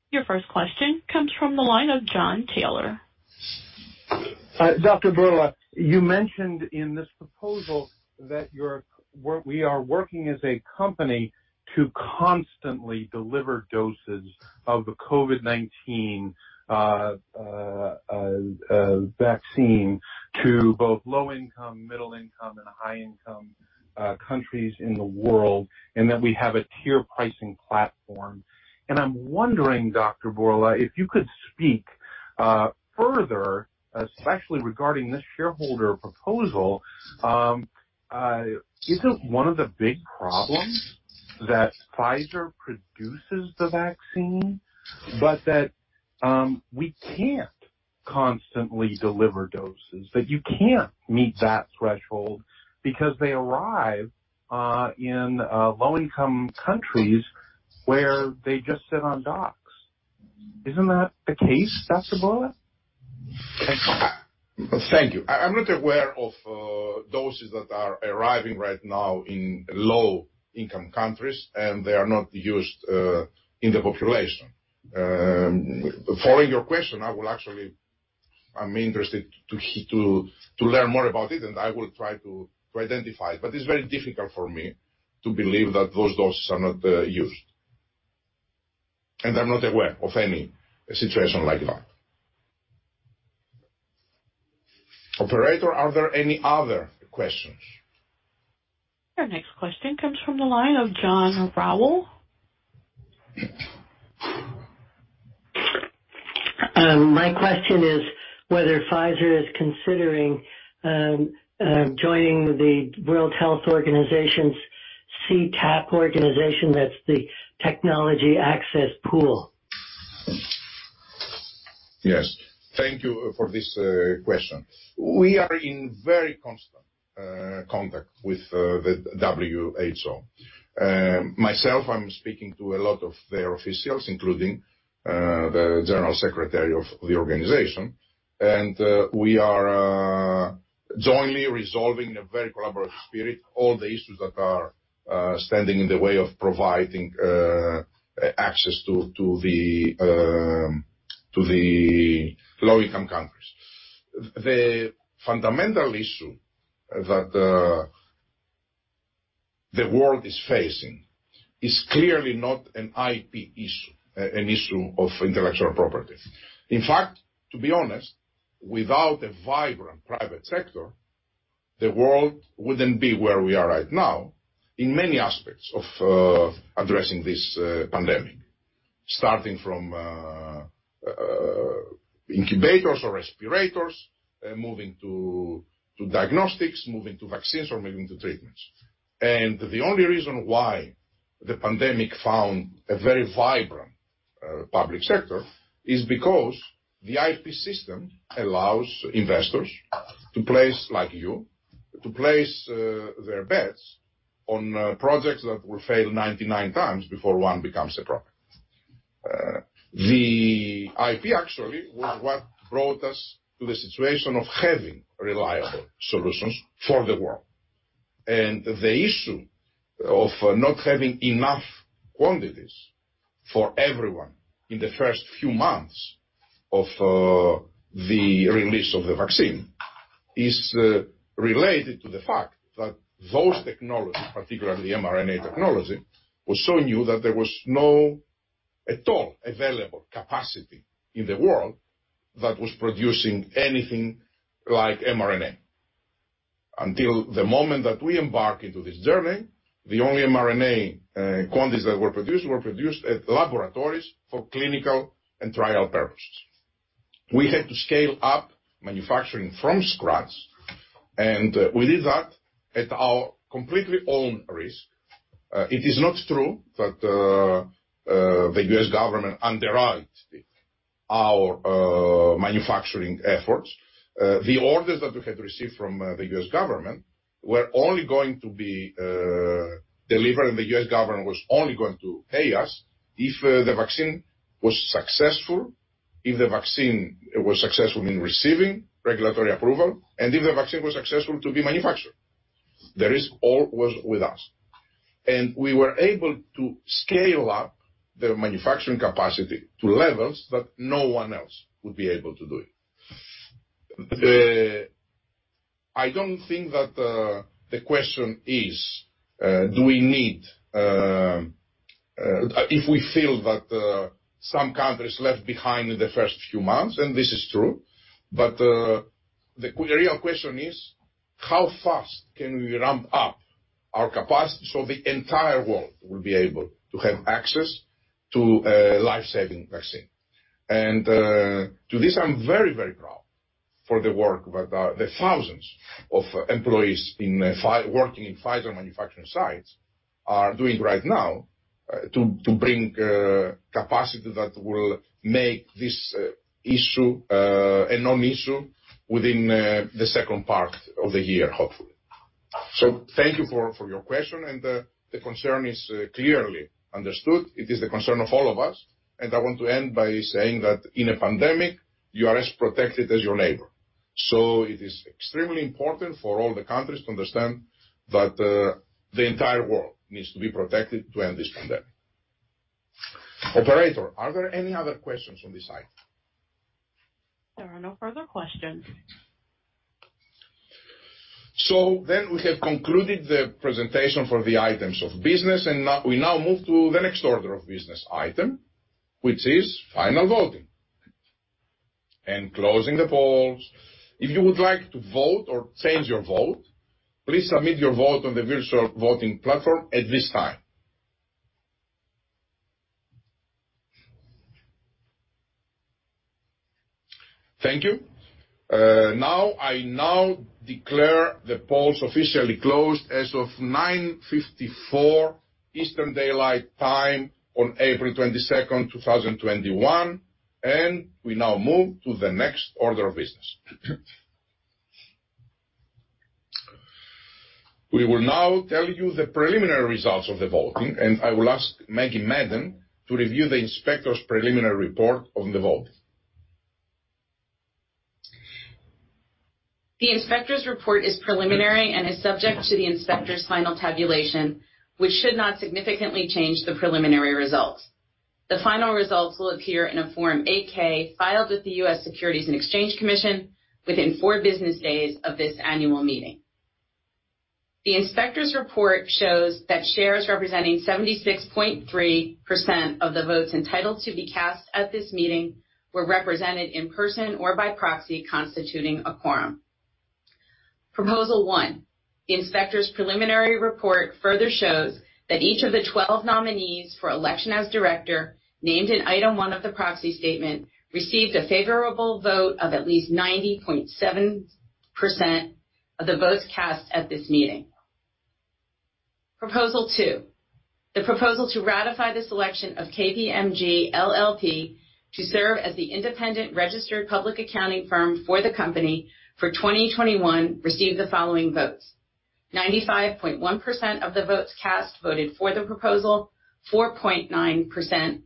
Your 1st question comes from the line of John Taylor. Dr. Bourla, you mentioned in this proposal that we are working as a company to constantly deliver doses of the COVID-19 vaccine to both low-income, middle-income, and high-income countries in the world, and that we have a tier pricing platform. I'm wondering, Dr. Bourla, if you could speak further, especially regarding this shareholder proposal. Isn't one of the big problems that Pfizer produces the vaccine, but that we can't constantly deliver doses, that you can't meet that threshold because they arrive in low-income countries where they just sit on docks? Isn't that the case, Dr. Bourla? Thank you. I'm not aware of doses that are arriving right now in low-income countries and they are not used in the population. Following your question, I'm interested to learn more about it. I will try to identify it. It's very difficult for me to believe that those doses are not used. I'm not aware of any situation like that. Operator, are there any other questions? Our next question comes from the line of John Rowell. My question is whether Pfizer is considering joining the World Health Organization's C-TAP organization, that's the Technology Access Pool. Thank you for this question. We are in very constant contact with the WHO. Myself, I'm speaking to a lot of their officials, including the General Secretary of the organization. We are jointly resolving in a very collaborative spirit all the issues that are standing in the way of providing access to the low-income countries. The fundamental issue that the world is facing is clearly not an IP issue, an issue of Intellectual Property. In fact, to be honest, without a vibrant private sector, the world wouldn't be where we are right now in many aspects of addressing this pandemic. Starting from incubators or respirators, moving to diagnostics, moving to vaccines, or moving to treatments. The only reason why the pandemic found a very vibrant public sector is because the IP system allows investors, like you, to place their bets on projects that will fail 99x before one becomes a product. The IP actually was what brought us to the situation of having reliable solutions for the world. The issue of not having enough quantities for everyone in the first few months of the release of the vaccine is related to the fact that those technologies, particularly the mRNA technology, was so new that there was no at all available capacity in the world that was producing anything like mRNA. Until the moment that we embark into this journey, the only mRNA quantities that were produced were produced at laboratories for clinical and trial purposes. We had to scale up manufacturing from scratch, and we did that at our completely own risk. It is not true that the U.S. government underwrote our manufacturing efforts. The orders that we had received from the U.S. government were only going to be delivered, and the U.S. government was only going to pay us if the vaccine was successful, if the vaccine was successful in receiving regulatory approval, and if the vaccine was successful to be manufactured. The risk all was with us. We were able to scale up the manufacturing capacity to levels that no one else would be able to do it. I don't think that the question is do we need If we feel that some countries left behind in the first few months, this is true, the real question is: How fast can we ramp up our capacity so the entire world will be able to have access to a life-saving vaccine? To this, I'm very proud for the work that the thousands of employees working in Pfizer manufacturing sites are doing right now to bring capacity that will make this issue a non-issue within the second part of the year, hopefully. Thank you for your question, and the concern is clearly understood. It is the concern of all of us, and I want to end by saying that in a pandemic, you are as protected as your neighbor. It is extremely important for all the countries to understand that the entire world needs to be protected to end this pandemic. Operator, are there any other questions on this item? There are no further questions. We have concluded the presentation for the items of business, and we now move to the next order of business item, which is final voting. Closing the polls. If you would like to vote or change your vote, please submit your vote on the virtual voting platform at this time. Thank you. I now declare the polls officially closed as of 9:54 A.M. Eastern Daylight Time on April 22nd, 2021, and we now move to the next order of business. We will now tell you the preliminary results of the voting, and I will ask Maggie Madden to review the inspector's preliminary report on the vote. The inspector's report is preliminary and is subject to the inspector's final tabulation, which should not significantly change the preliminary results. The final results will appear in a Form 8-K filed with the U.S. Securities and Exchange Commission within four business days of this annual meeting. The inspector's report shows that shares representing 76.3% of the votes entitled to be cast at this meeting were represented in person or by proxy, constituting a quorum. Proposal one, the inspector's preliminary report further shows that each of the 12 nominees for election as director, named in item one of the proxy statement, received a favorable vote of at least 90.7% of the votes cast at this meeting. Proposal two, the proposal to ratify the selection of KPMG LLP to serve as the independent registered public accounting firm for the company for 2021 received the following votes: 95.1% of the votes cast voted for the proposal, 4.9%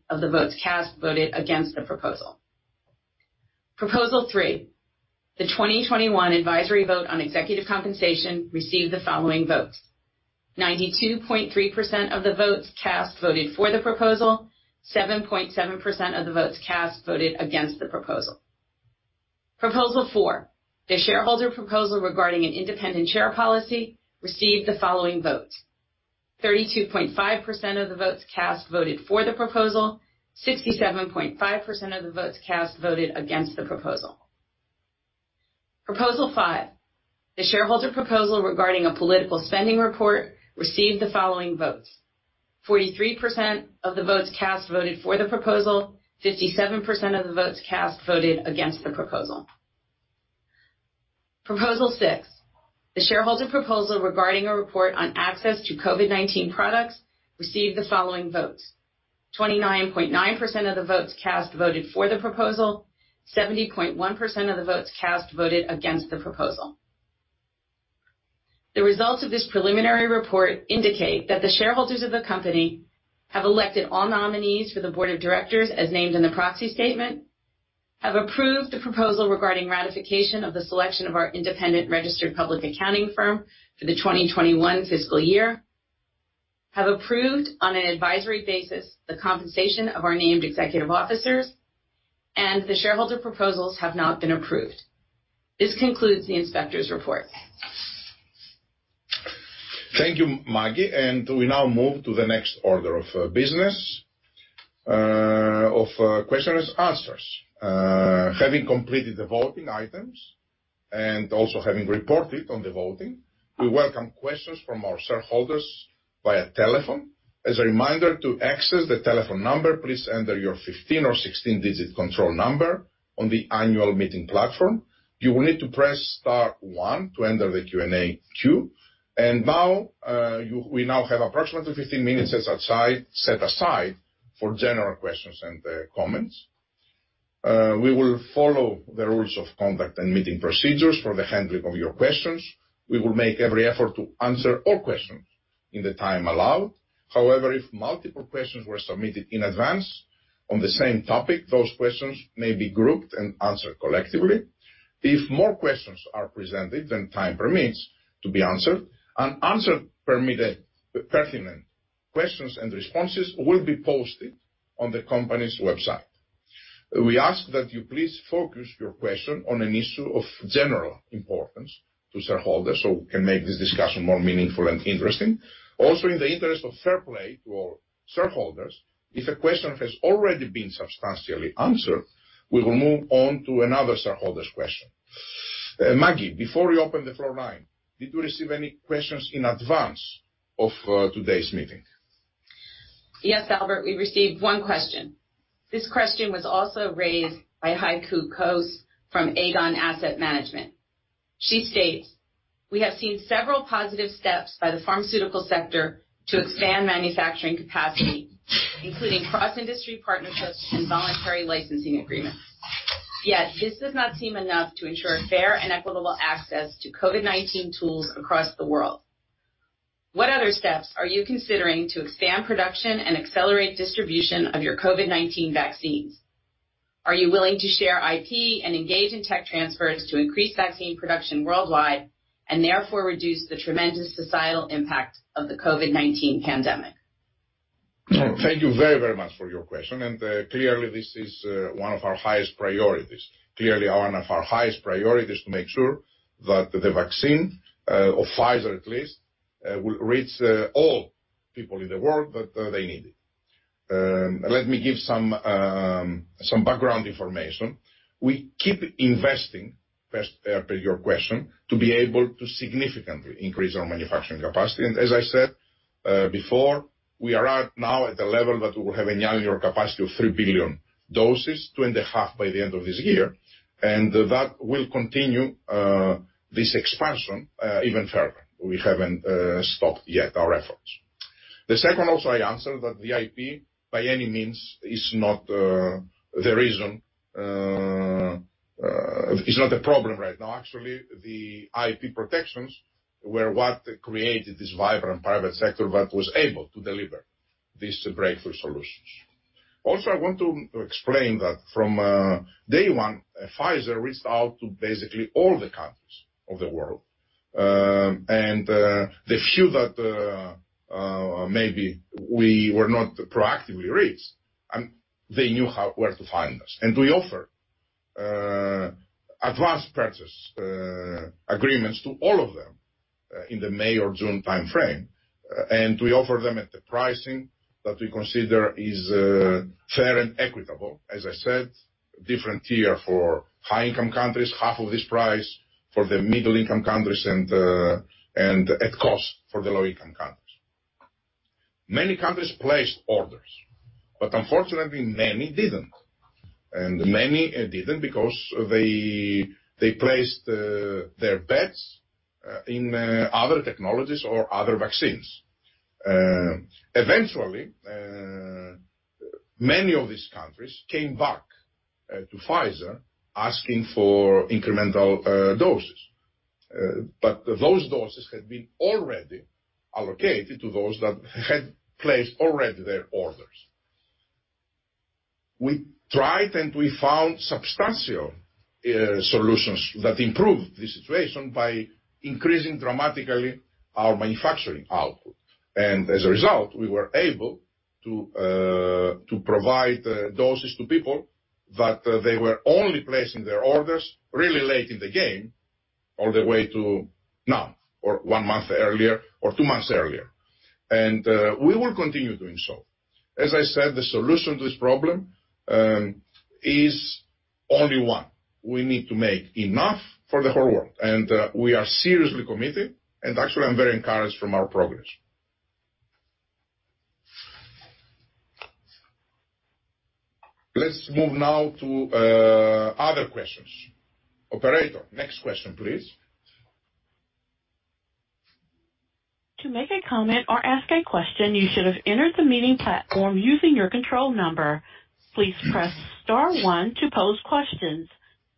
of the votes cast voted against the proposal. Proposal three, the 2021 advisory vote on executive compensation received the following votes: 92.3% of the votes cast voted for the proposal, 7.7% of the votes cast voted against the proposal. Proposal four, the shareholder proposal regarding an independent chair policy received the following votes. 32.5% of the votes cast voted for the proposal, 67.5% of the votes cast voted against the proposal. Proposal five, the shareholder proposal regarding a political spending report received the following votes. 43% of the votes cast voted for the proposal, 57% of the votes cast voted against the proposal. Proposal six, the shareholder proposal regarding a report on access to COVID-19 products received the following votes. 29.9% of the votes cast voted for the proposal, 70.1% of the votes cast voted against the proposal. The results of this preliminary report indicate that the shareholders of the company have elected all nominees for the board of directors as named in the proxy statement, have approved the proposal regarding ratification of the selection of our independent registered public accounting firm for the 2021 fiscal year, have approved, on an advisory basis, the compensation of our named executive officers, and the shareholder proposals have not been approved. This concludes the inspector's report. Thank you, Maggie. We now move to the next order of business of questions and answers. Having completed the voting items, and also having reported on the voting, we welcome questions from our shareholders via telephone. As a reminder, to access the telephone number, please enter your 15 or 16-digit control number on the annual meeting platform. You will need to press star one to enter the Q&A queue. We now have approximately 15-minutes set aside for general questions and comments. We will follow the rules of conduct and meeting procedures for the handling of your questions. We will make every effort to answer all questions in the time allowed. However, if multiple questions were submitted in advance on the same topic, those questions may be grouped and answered collectively. If more questions are presented than time permits to be answered, all unanswered pertinent questions and responses will be posted on the company's website. We ask that you please focus your question on an issue of general importance to shareholders, so we can make this discussion more meaningful and interesting. Also, in the interest of fair play to all shareholders, if a question has already been substantially answered, we will move on to another shareholder's question. Maggie, before we open the floor line, did you receive any questions in advance of today's meeting? Yes, Albert, we received one question. This question was also raised by Heike Cosse from Aegon Asset Management. She states, We have seen several positive steps by the pharmaceutical sector to expand manufacturing capacity, including cross-industry partnerships and voluntary licensing agreements. This does not seem enough to ensure fair and equitable access to COVID-19 tools across the world. What other steps are you considering to expand production and accelerate distribution of your COVID-19 vaccines? Are you willing to share IP and engage in tech transfers to increase vaccine production worldwide and therefore reduce the tremendous societal impact of the COVID-19 pandemic? Thank you very, very much for your question. Clearly, this is one of our highest priorities. Clearly, one of our highest priority is to make sure that the vaccine, of Pfizer at least, will reach all people in the world that they need it. Let me give some background information. We keep investing, per your question, to be able to significantly increase our manufacturing capacity. As I said before, we are now at the level that we will have an annual capacity of 3 billion doses, three and a half by the end of this year. That will continue this expansion even further. We haven't stopped yet our efforts. The second also I answer that the IP, by any means, is not the problem right now. Actually, the IP protections were what created this vibrant private sector that was able to deliver these breakthrough solutions. Also, I want to explain that from day one, Pfizer reached out to basically all the countries of the world. The few that maybe we were not proactively reached, they knew where to find us. We offer advanced purchase agreements to all of them in the May or June timeframe, and we offer them at the pricing that we consider is fair and equitable. As I said, different tier for high-income countries, half of this price for the middle-income countries, and at cost for the low-income countries. Many countries placed orders, unfortunately, many didn't. Many didn't because they placed their bets in other technologies or other vaccines. Eventually, many of these countries came back to Pfizer asking for incremental doses. Those doses had been already allocated to those that had placed already their orders. We tried, and we found substantial solutions that improved the situation by increasing dramatically our manufacturing output. As a result, we were able to provide doses to people, but they were only placing their orders really late in the game. All the way to now, or one month earlier, or two months earlier. We will continue doing so. As I said, the solution to this problem is only one. We need to make enough for the whole world. We are seriously committed, and actually, I'm very encouraged from our progress. Let's move now to other questions. Operator, next question, please. To make a comment or ask a question, you should have entered the meeting platform using your control number. Please press star one to pose questions.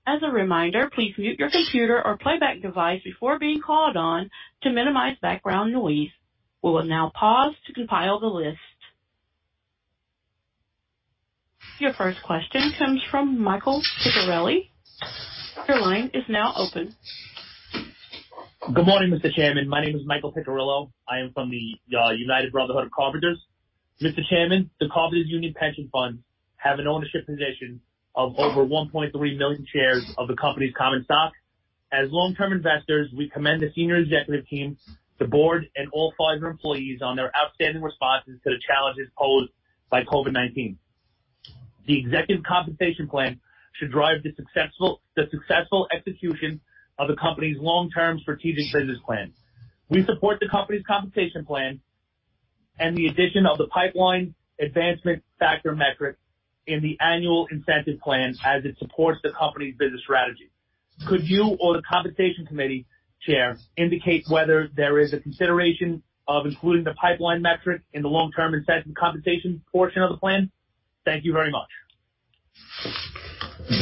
As a reminder, please mute your computer or playback device before being called on to minimize background noise. We will now pause to compile the list. Your 1st question comes from Michael Piccirillo. Your line is now open. Good morning, Mr. Chairman. My name is Michael Piccirillo. I am from the United Brotherhood of Carpenters. Mr. Chairman, the Carpenters Union pension funds have an ownership position of over 1.3 million shares of the company's common stock. As long-term investors, we commend the senior executive team, the board, and all Pfizer employees on their outstanding responses to the challenges posed by COVID-19. The executive compensation plan should drive the successful execution of the company's long-term strategic business plan. We support the company's compensation plan and the addition of the pipeline advancement factor metric in the annual incentive plan as it supports the company's business strategy. Could you or the compensation committee chair indicate whether there is a consideration of including the pipeline metric in the long-term incentive compensation portion of the plan? Thank you very much.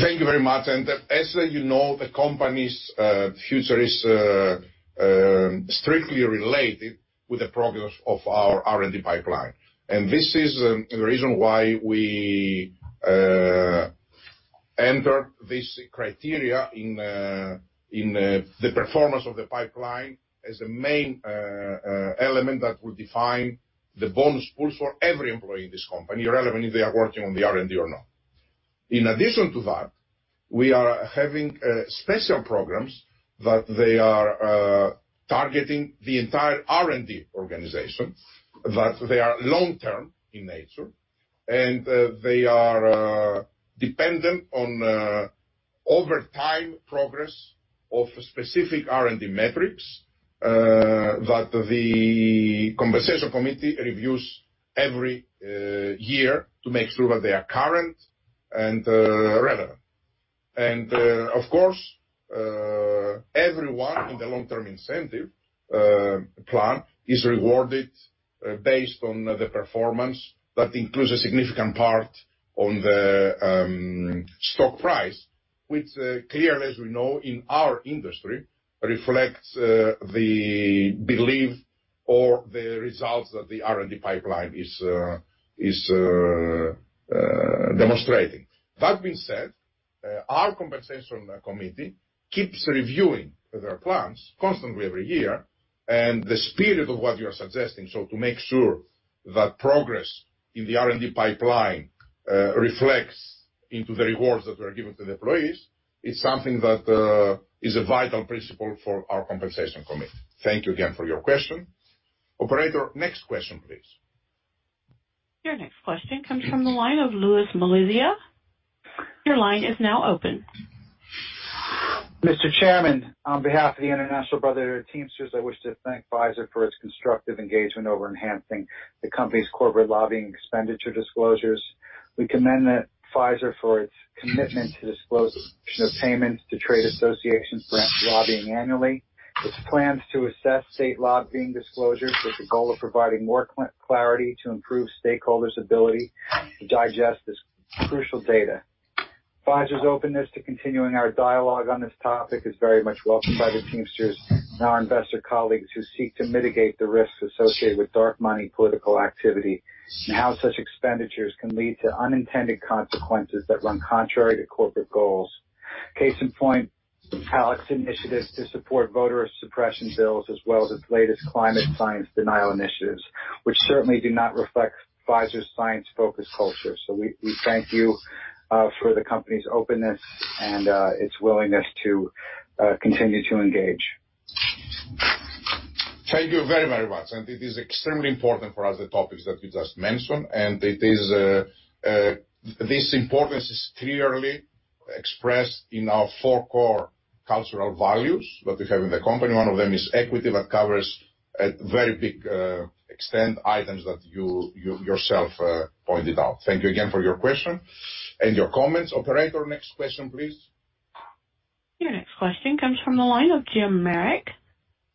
Thank you very much. As you know, the company's future is strictly related with the progress of our R&D pipeline. This is the reason why we enter this criteria in the performance of the pipeline as the main element that will define the bonus pools for every employee in this company, irrelevant if they are working on the R&D or not. In addition to that, we are having special programs, that they are targeting the entire R&D organization, that they are long-term in nature, and they are dependent on over time progress of specific R&D metrics that the compensation committee reviews every year to make sure that they are current and relevant. Of course, everyone in the long-term incentive plan is rewarded based on the performance that includes a significant part on the stock price, which clearly, as we know, in our industry, reflects the belief or the results that the R&D pipeline is demonstrating. That being said, our compensation committee keeps reviewing their plans constantly every year and the spirit of what you're suggesting. To make sure that progress in the R&D pipeline reflects into the rewards that we are giving to the employees. It's something that is a vital principle for our compensation committee. Thank you again for your question. Operator, next question, please. Your next question comes from the line of Louis Malizia. Your line is now open. Mr. Chairman, on behalf of the International Brotherhood of Teamsters, I wish to thank Pfizer for its constructive engagement over enhancing the company's corporate lobbying expenditure disclosures. We commend Pfizer for its commitment to disclosure of payments to trade associations for its lobbying annually, its plans to assess state lobbying disclosures with the goal of providing more clarity to improve stakeholders' ability to digest this crucial data. Pfizer's openness to continuing our dialogue on this topic is very much welcomed by the Teamsters and our investor colleagues who seek to mitigate the risks associated with dark money political activity and how such expenditures can lead to unintended consequences that run contrary to corporate goals. Case in point, ALEC initiatives to support voter suppression bills, as well as its latest climate science denial initiatives, which certainly do not reflect Pfizer's science-focused culture. We thank you for the company's openness and its willingness to continue to engage. Thank you very much. It is extremely important for us, the topics that you just mentioned. This importance is clearly expressed in our four core cultural values that we have in the company. One of them is equity, that covers a very big extent items that you yourself pointed out. Thank you again for your question and your comments. Operator, next question, please. Your next question comes from the line of Jim Merrick.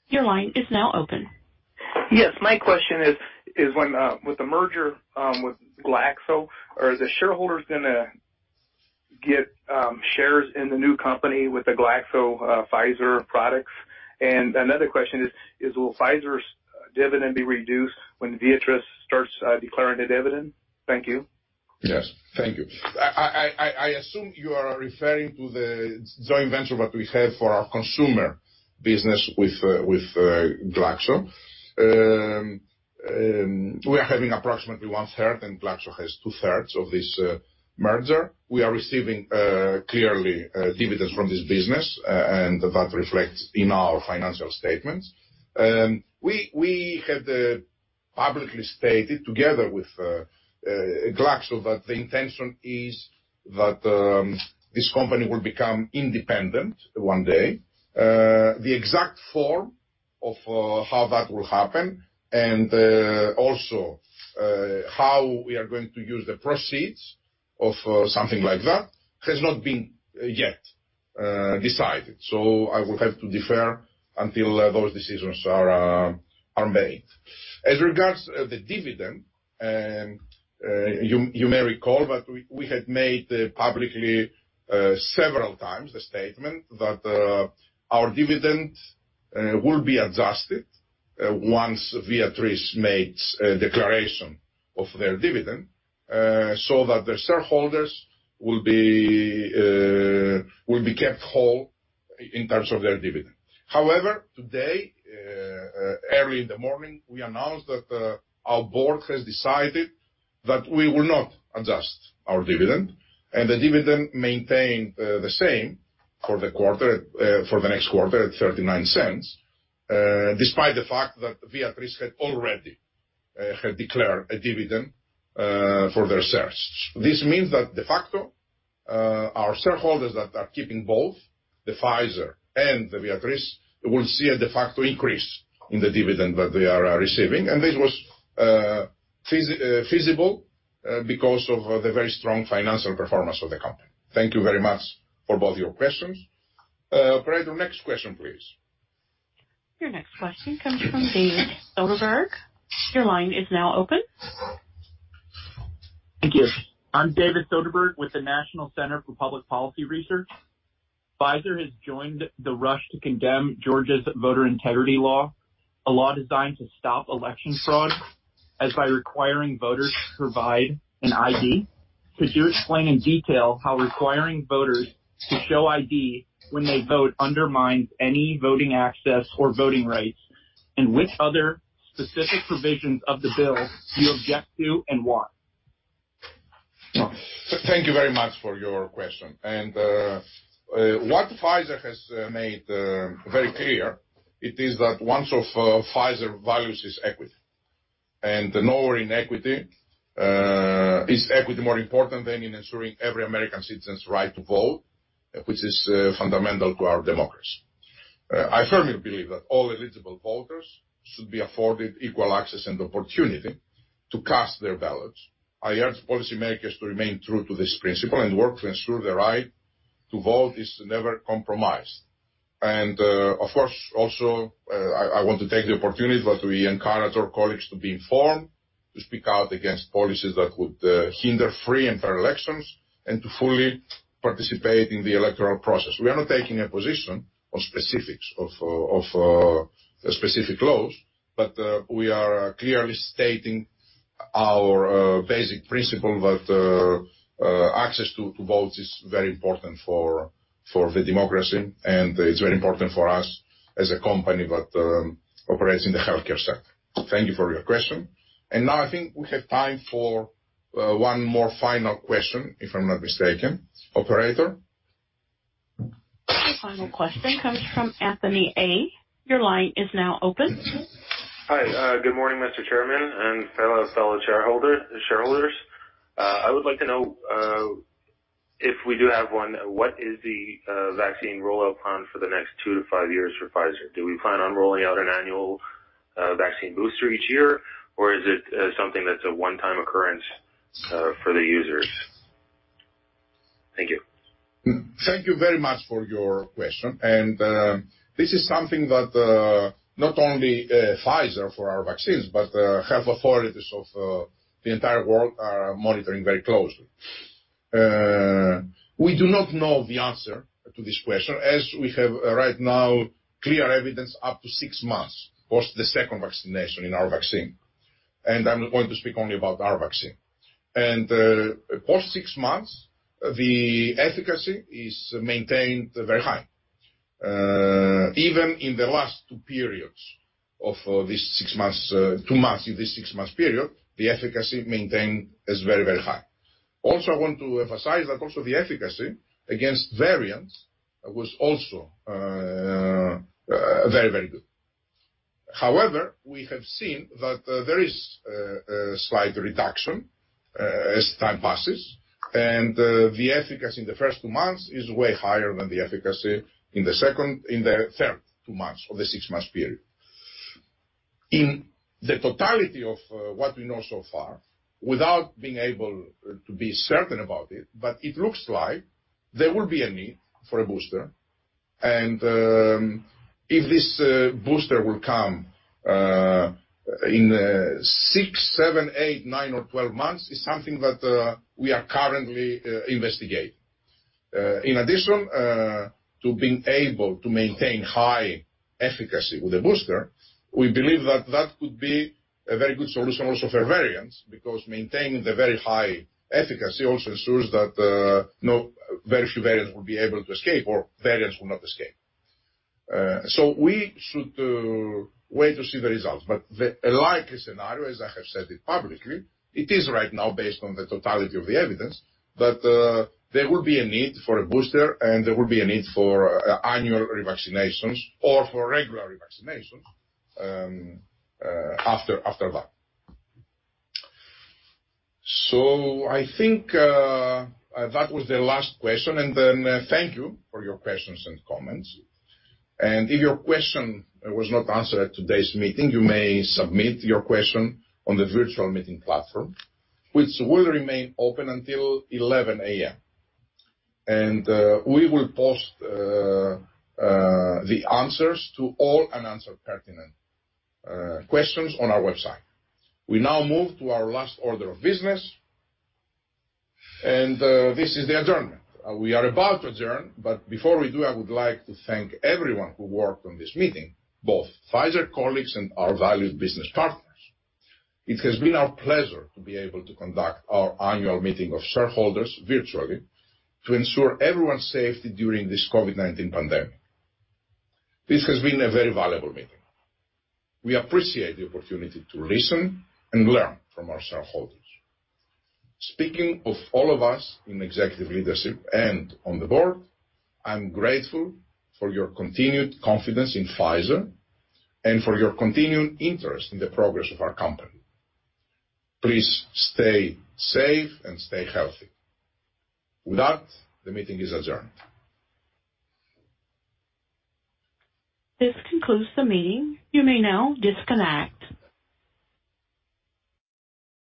Your line is now open. Yes. My question is, with the merger with GlaxoSmithKline, are the shareholders going to get shares in the new company with the GlaxoSmithKline/Pfizer products? Another question is, will Pfizer's dividend be reduced when Viatris starts declaring a dividend? Thank you. Yes. Thank you. I assume you are referring to the joint venture that we have for our consumer business with GlaxoSmithKline. We are having approximately one-third and GlaxoSmithKline has two-thirds of this merger. We are receiving, clearly, dividends from this business, and that reflects in our financial statements. We had publicly stated together with GlaxoSmithKline that the intention is that this company will become independent one day. The exact form of how that will happen and also how we are going to use the proceeds of something like that has not been yet decided. I will have to defer until those decisions are made. As regards the dividend, you may recall that we had made publicly several times the statement that our dividend will be adjusted once Viatris makes a declaration of their dividend, so that their shareholders will be kept whole in terms of their dividend. Today, early in the morning, we announced that our board has decided that we will not adjust our dividend, and the dividend maintain the same for the next quarter at $0.39, despite the fact that Viatris had already declared a dividend for their shares. This means that de facto, our shareholders that are keeping both the Pfizer and the Viatris will see a de facto increase in the dividend that they are receiving. This was feasible because of the very strong financial performance of the company. Thank you very much for both your questions. Operator, next question, please. Your next question comes from David Soderberg. Your line is now open. Thank you. I'm David Soderberg with the National Center for Public Policy Research. Pfizer has joined the rush to condemn Georgia's voter integrity law, a law designed to stop election fraud as by requiring voters to provide an ID. Could you explain in detail how requiring voters to show ID when they vote undermines any voting access or voting rights, and which other specific provisions of the bill do you object to and why? Thank you very much for your question. What Pfizer has made very clear, it is that one of Pfizer values is equity. Nowhere is equity more important than in ensuring every American citizen's right to vote, which is fundamental to our democracy. I firmly believe that all eligible voters should be afforded equal access and opportunity to cast their ballots. I urge policymakers to remain true to this principle and work to ensure the right to vote is never compromised. Of course, also, I want to take the opportunity that we encourage our colleagues to be informed, to speak out against policies that would hinder free and fair elections, and to fully participate in the electoral process. We are not taking a position on specifics of specific laws, but we are clearly stating our basic principle that access to vote is very important for the democracy, and it's very important for us as a company that operates in the healthcare sector. Thank you for your question. Now I think we have time for one more final question, if I'm not mistaken. Operator. The final question comes from Anthony A. Your line is now open. Hi. Good morning, Mr. Chairman and fellow shareholders. I would like to know, if we do have one, what is the vaccine rollout plan for the next two to five years for Pfizer? Do we plan on rolling out an annual vaccine booster each year, or is it something that's a one-time occurrence for the users? Thank you. Thank you very much for your question. This is something that not only Pfizer for our vaccines, but health authorities of the entire world are monitoring very closely. We do not know the answer to this question as we have right now clear evidence up to six months post the second vaccination in our vaccine. I'm going to speak only about our vaccine. Post six months, the efficacy is maintained very high. Even in the last two periods of this six months, two months in this six-month period, the efficacy maintained is very, very high. I want to emphasize that also the efficacy against variants was also very, very good. We have seen that there is a slight reduction as time passes, and the efficacy in the first two months is way higher than the efficacy in the third two months of the six-month period. In the totality of what we know so far, without being able to be certain about it, but it looks like there will be a need for a booster. If this booster will come in 6, 7, 8, 9, or 12 months is something that we are currently investigating. In addition to being able to maintain high efficacy with a booster, we believe that that could be a very good solution also for variants because maintaining the very high efficacy also ensures that very few variants will be able to escape or variants will not escape. We should wait to see the results. The likely scenario, as I have said it publicly, it is right now based on the totality of the evidence, that there will be a need for a booster and there will be a need for annual revaccinations or for regular revaccinations after that. I think that was the last question, and then thank you for your questions and comments. If your question was not answered at today's meeting, you may submit your question on the virtual meeting platform, which will remain open until 11:00 A.M. We will post the answers to all unanswered pertinent questions on our website. We now move to our last order of business, and this is the adjournment. We are about to adjourn, but before we do, I would like to thank everyone who worked on this meeting, both Pfizer colleagues and our valued business partners. It has been our pleasure to be able to conduct our annual meeting of shareholders virtually to ensure everyone's safety during this COVID-19 pandemic. This has been a very valuable meeting. We appreciate the opportunity to listen and learn from our shareholders. Speaking of all of us in executive leadership and on the board, I'm grateful for your continued confidence in Pfizer and for your continued interest in the progress of our company. Please stay safe and stay healthy. With that, the meeting is adjourned. This concludes the meeting. You may now disconnect.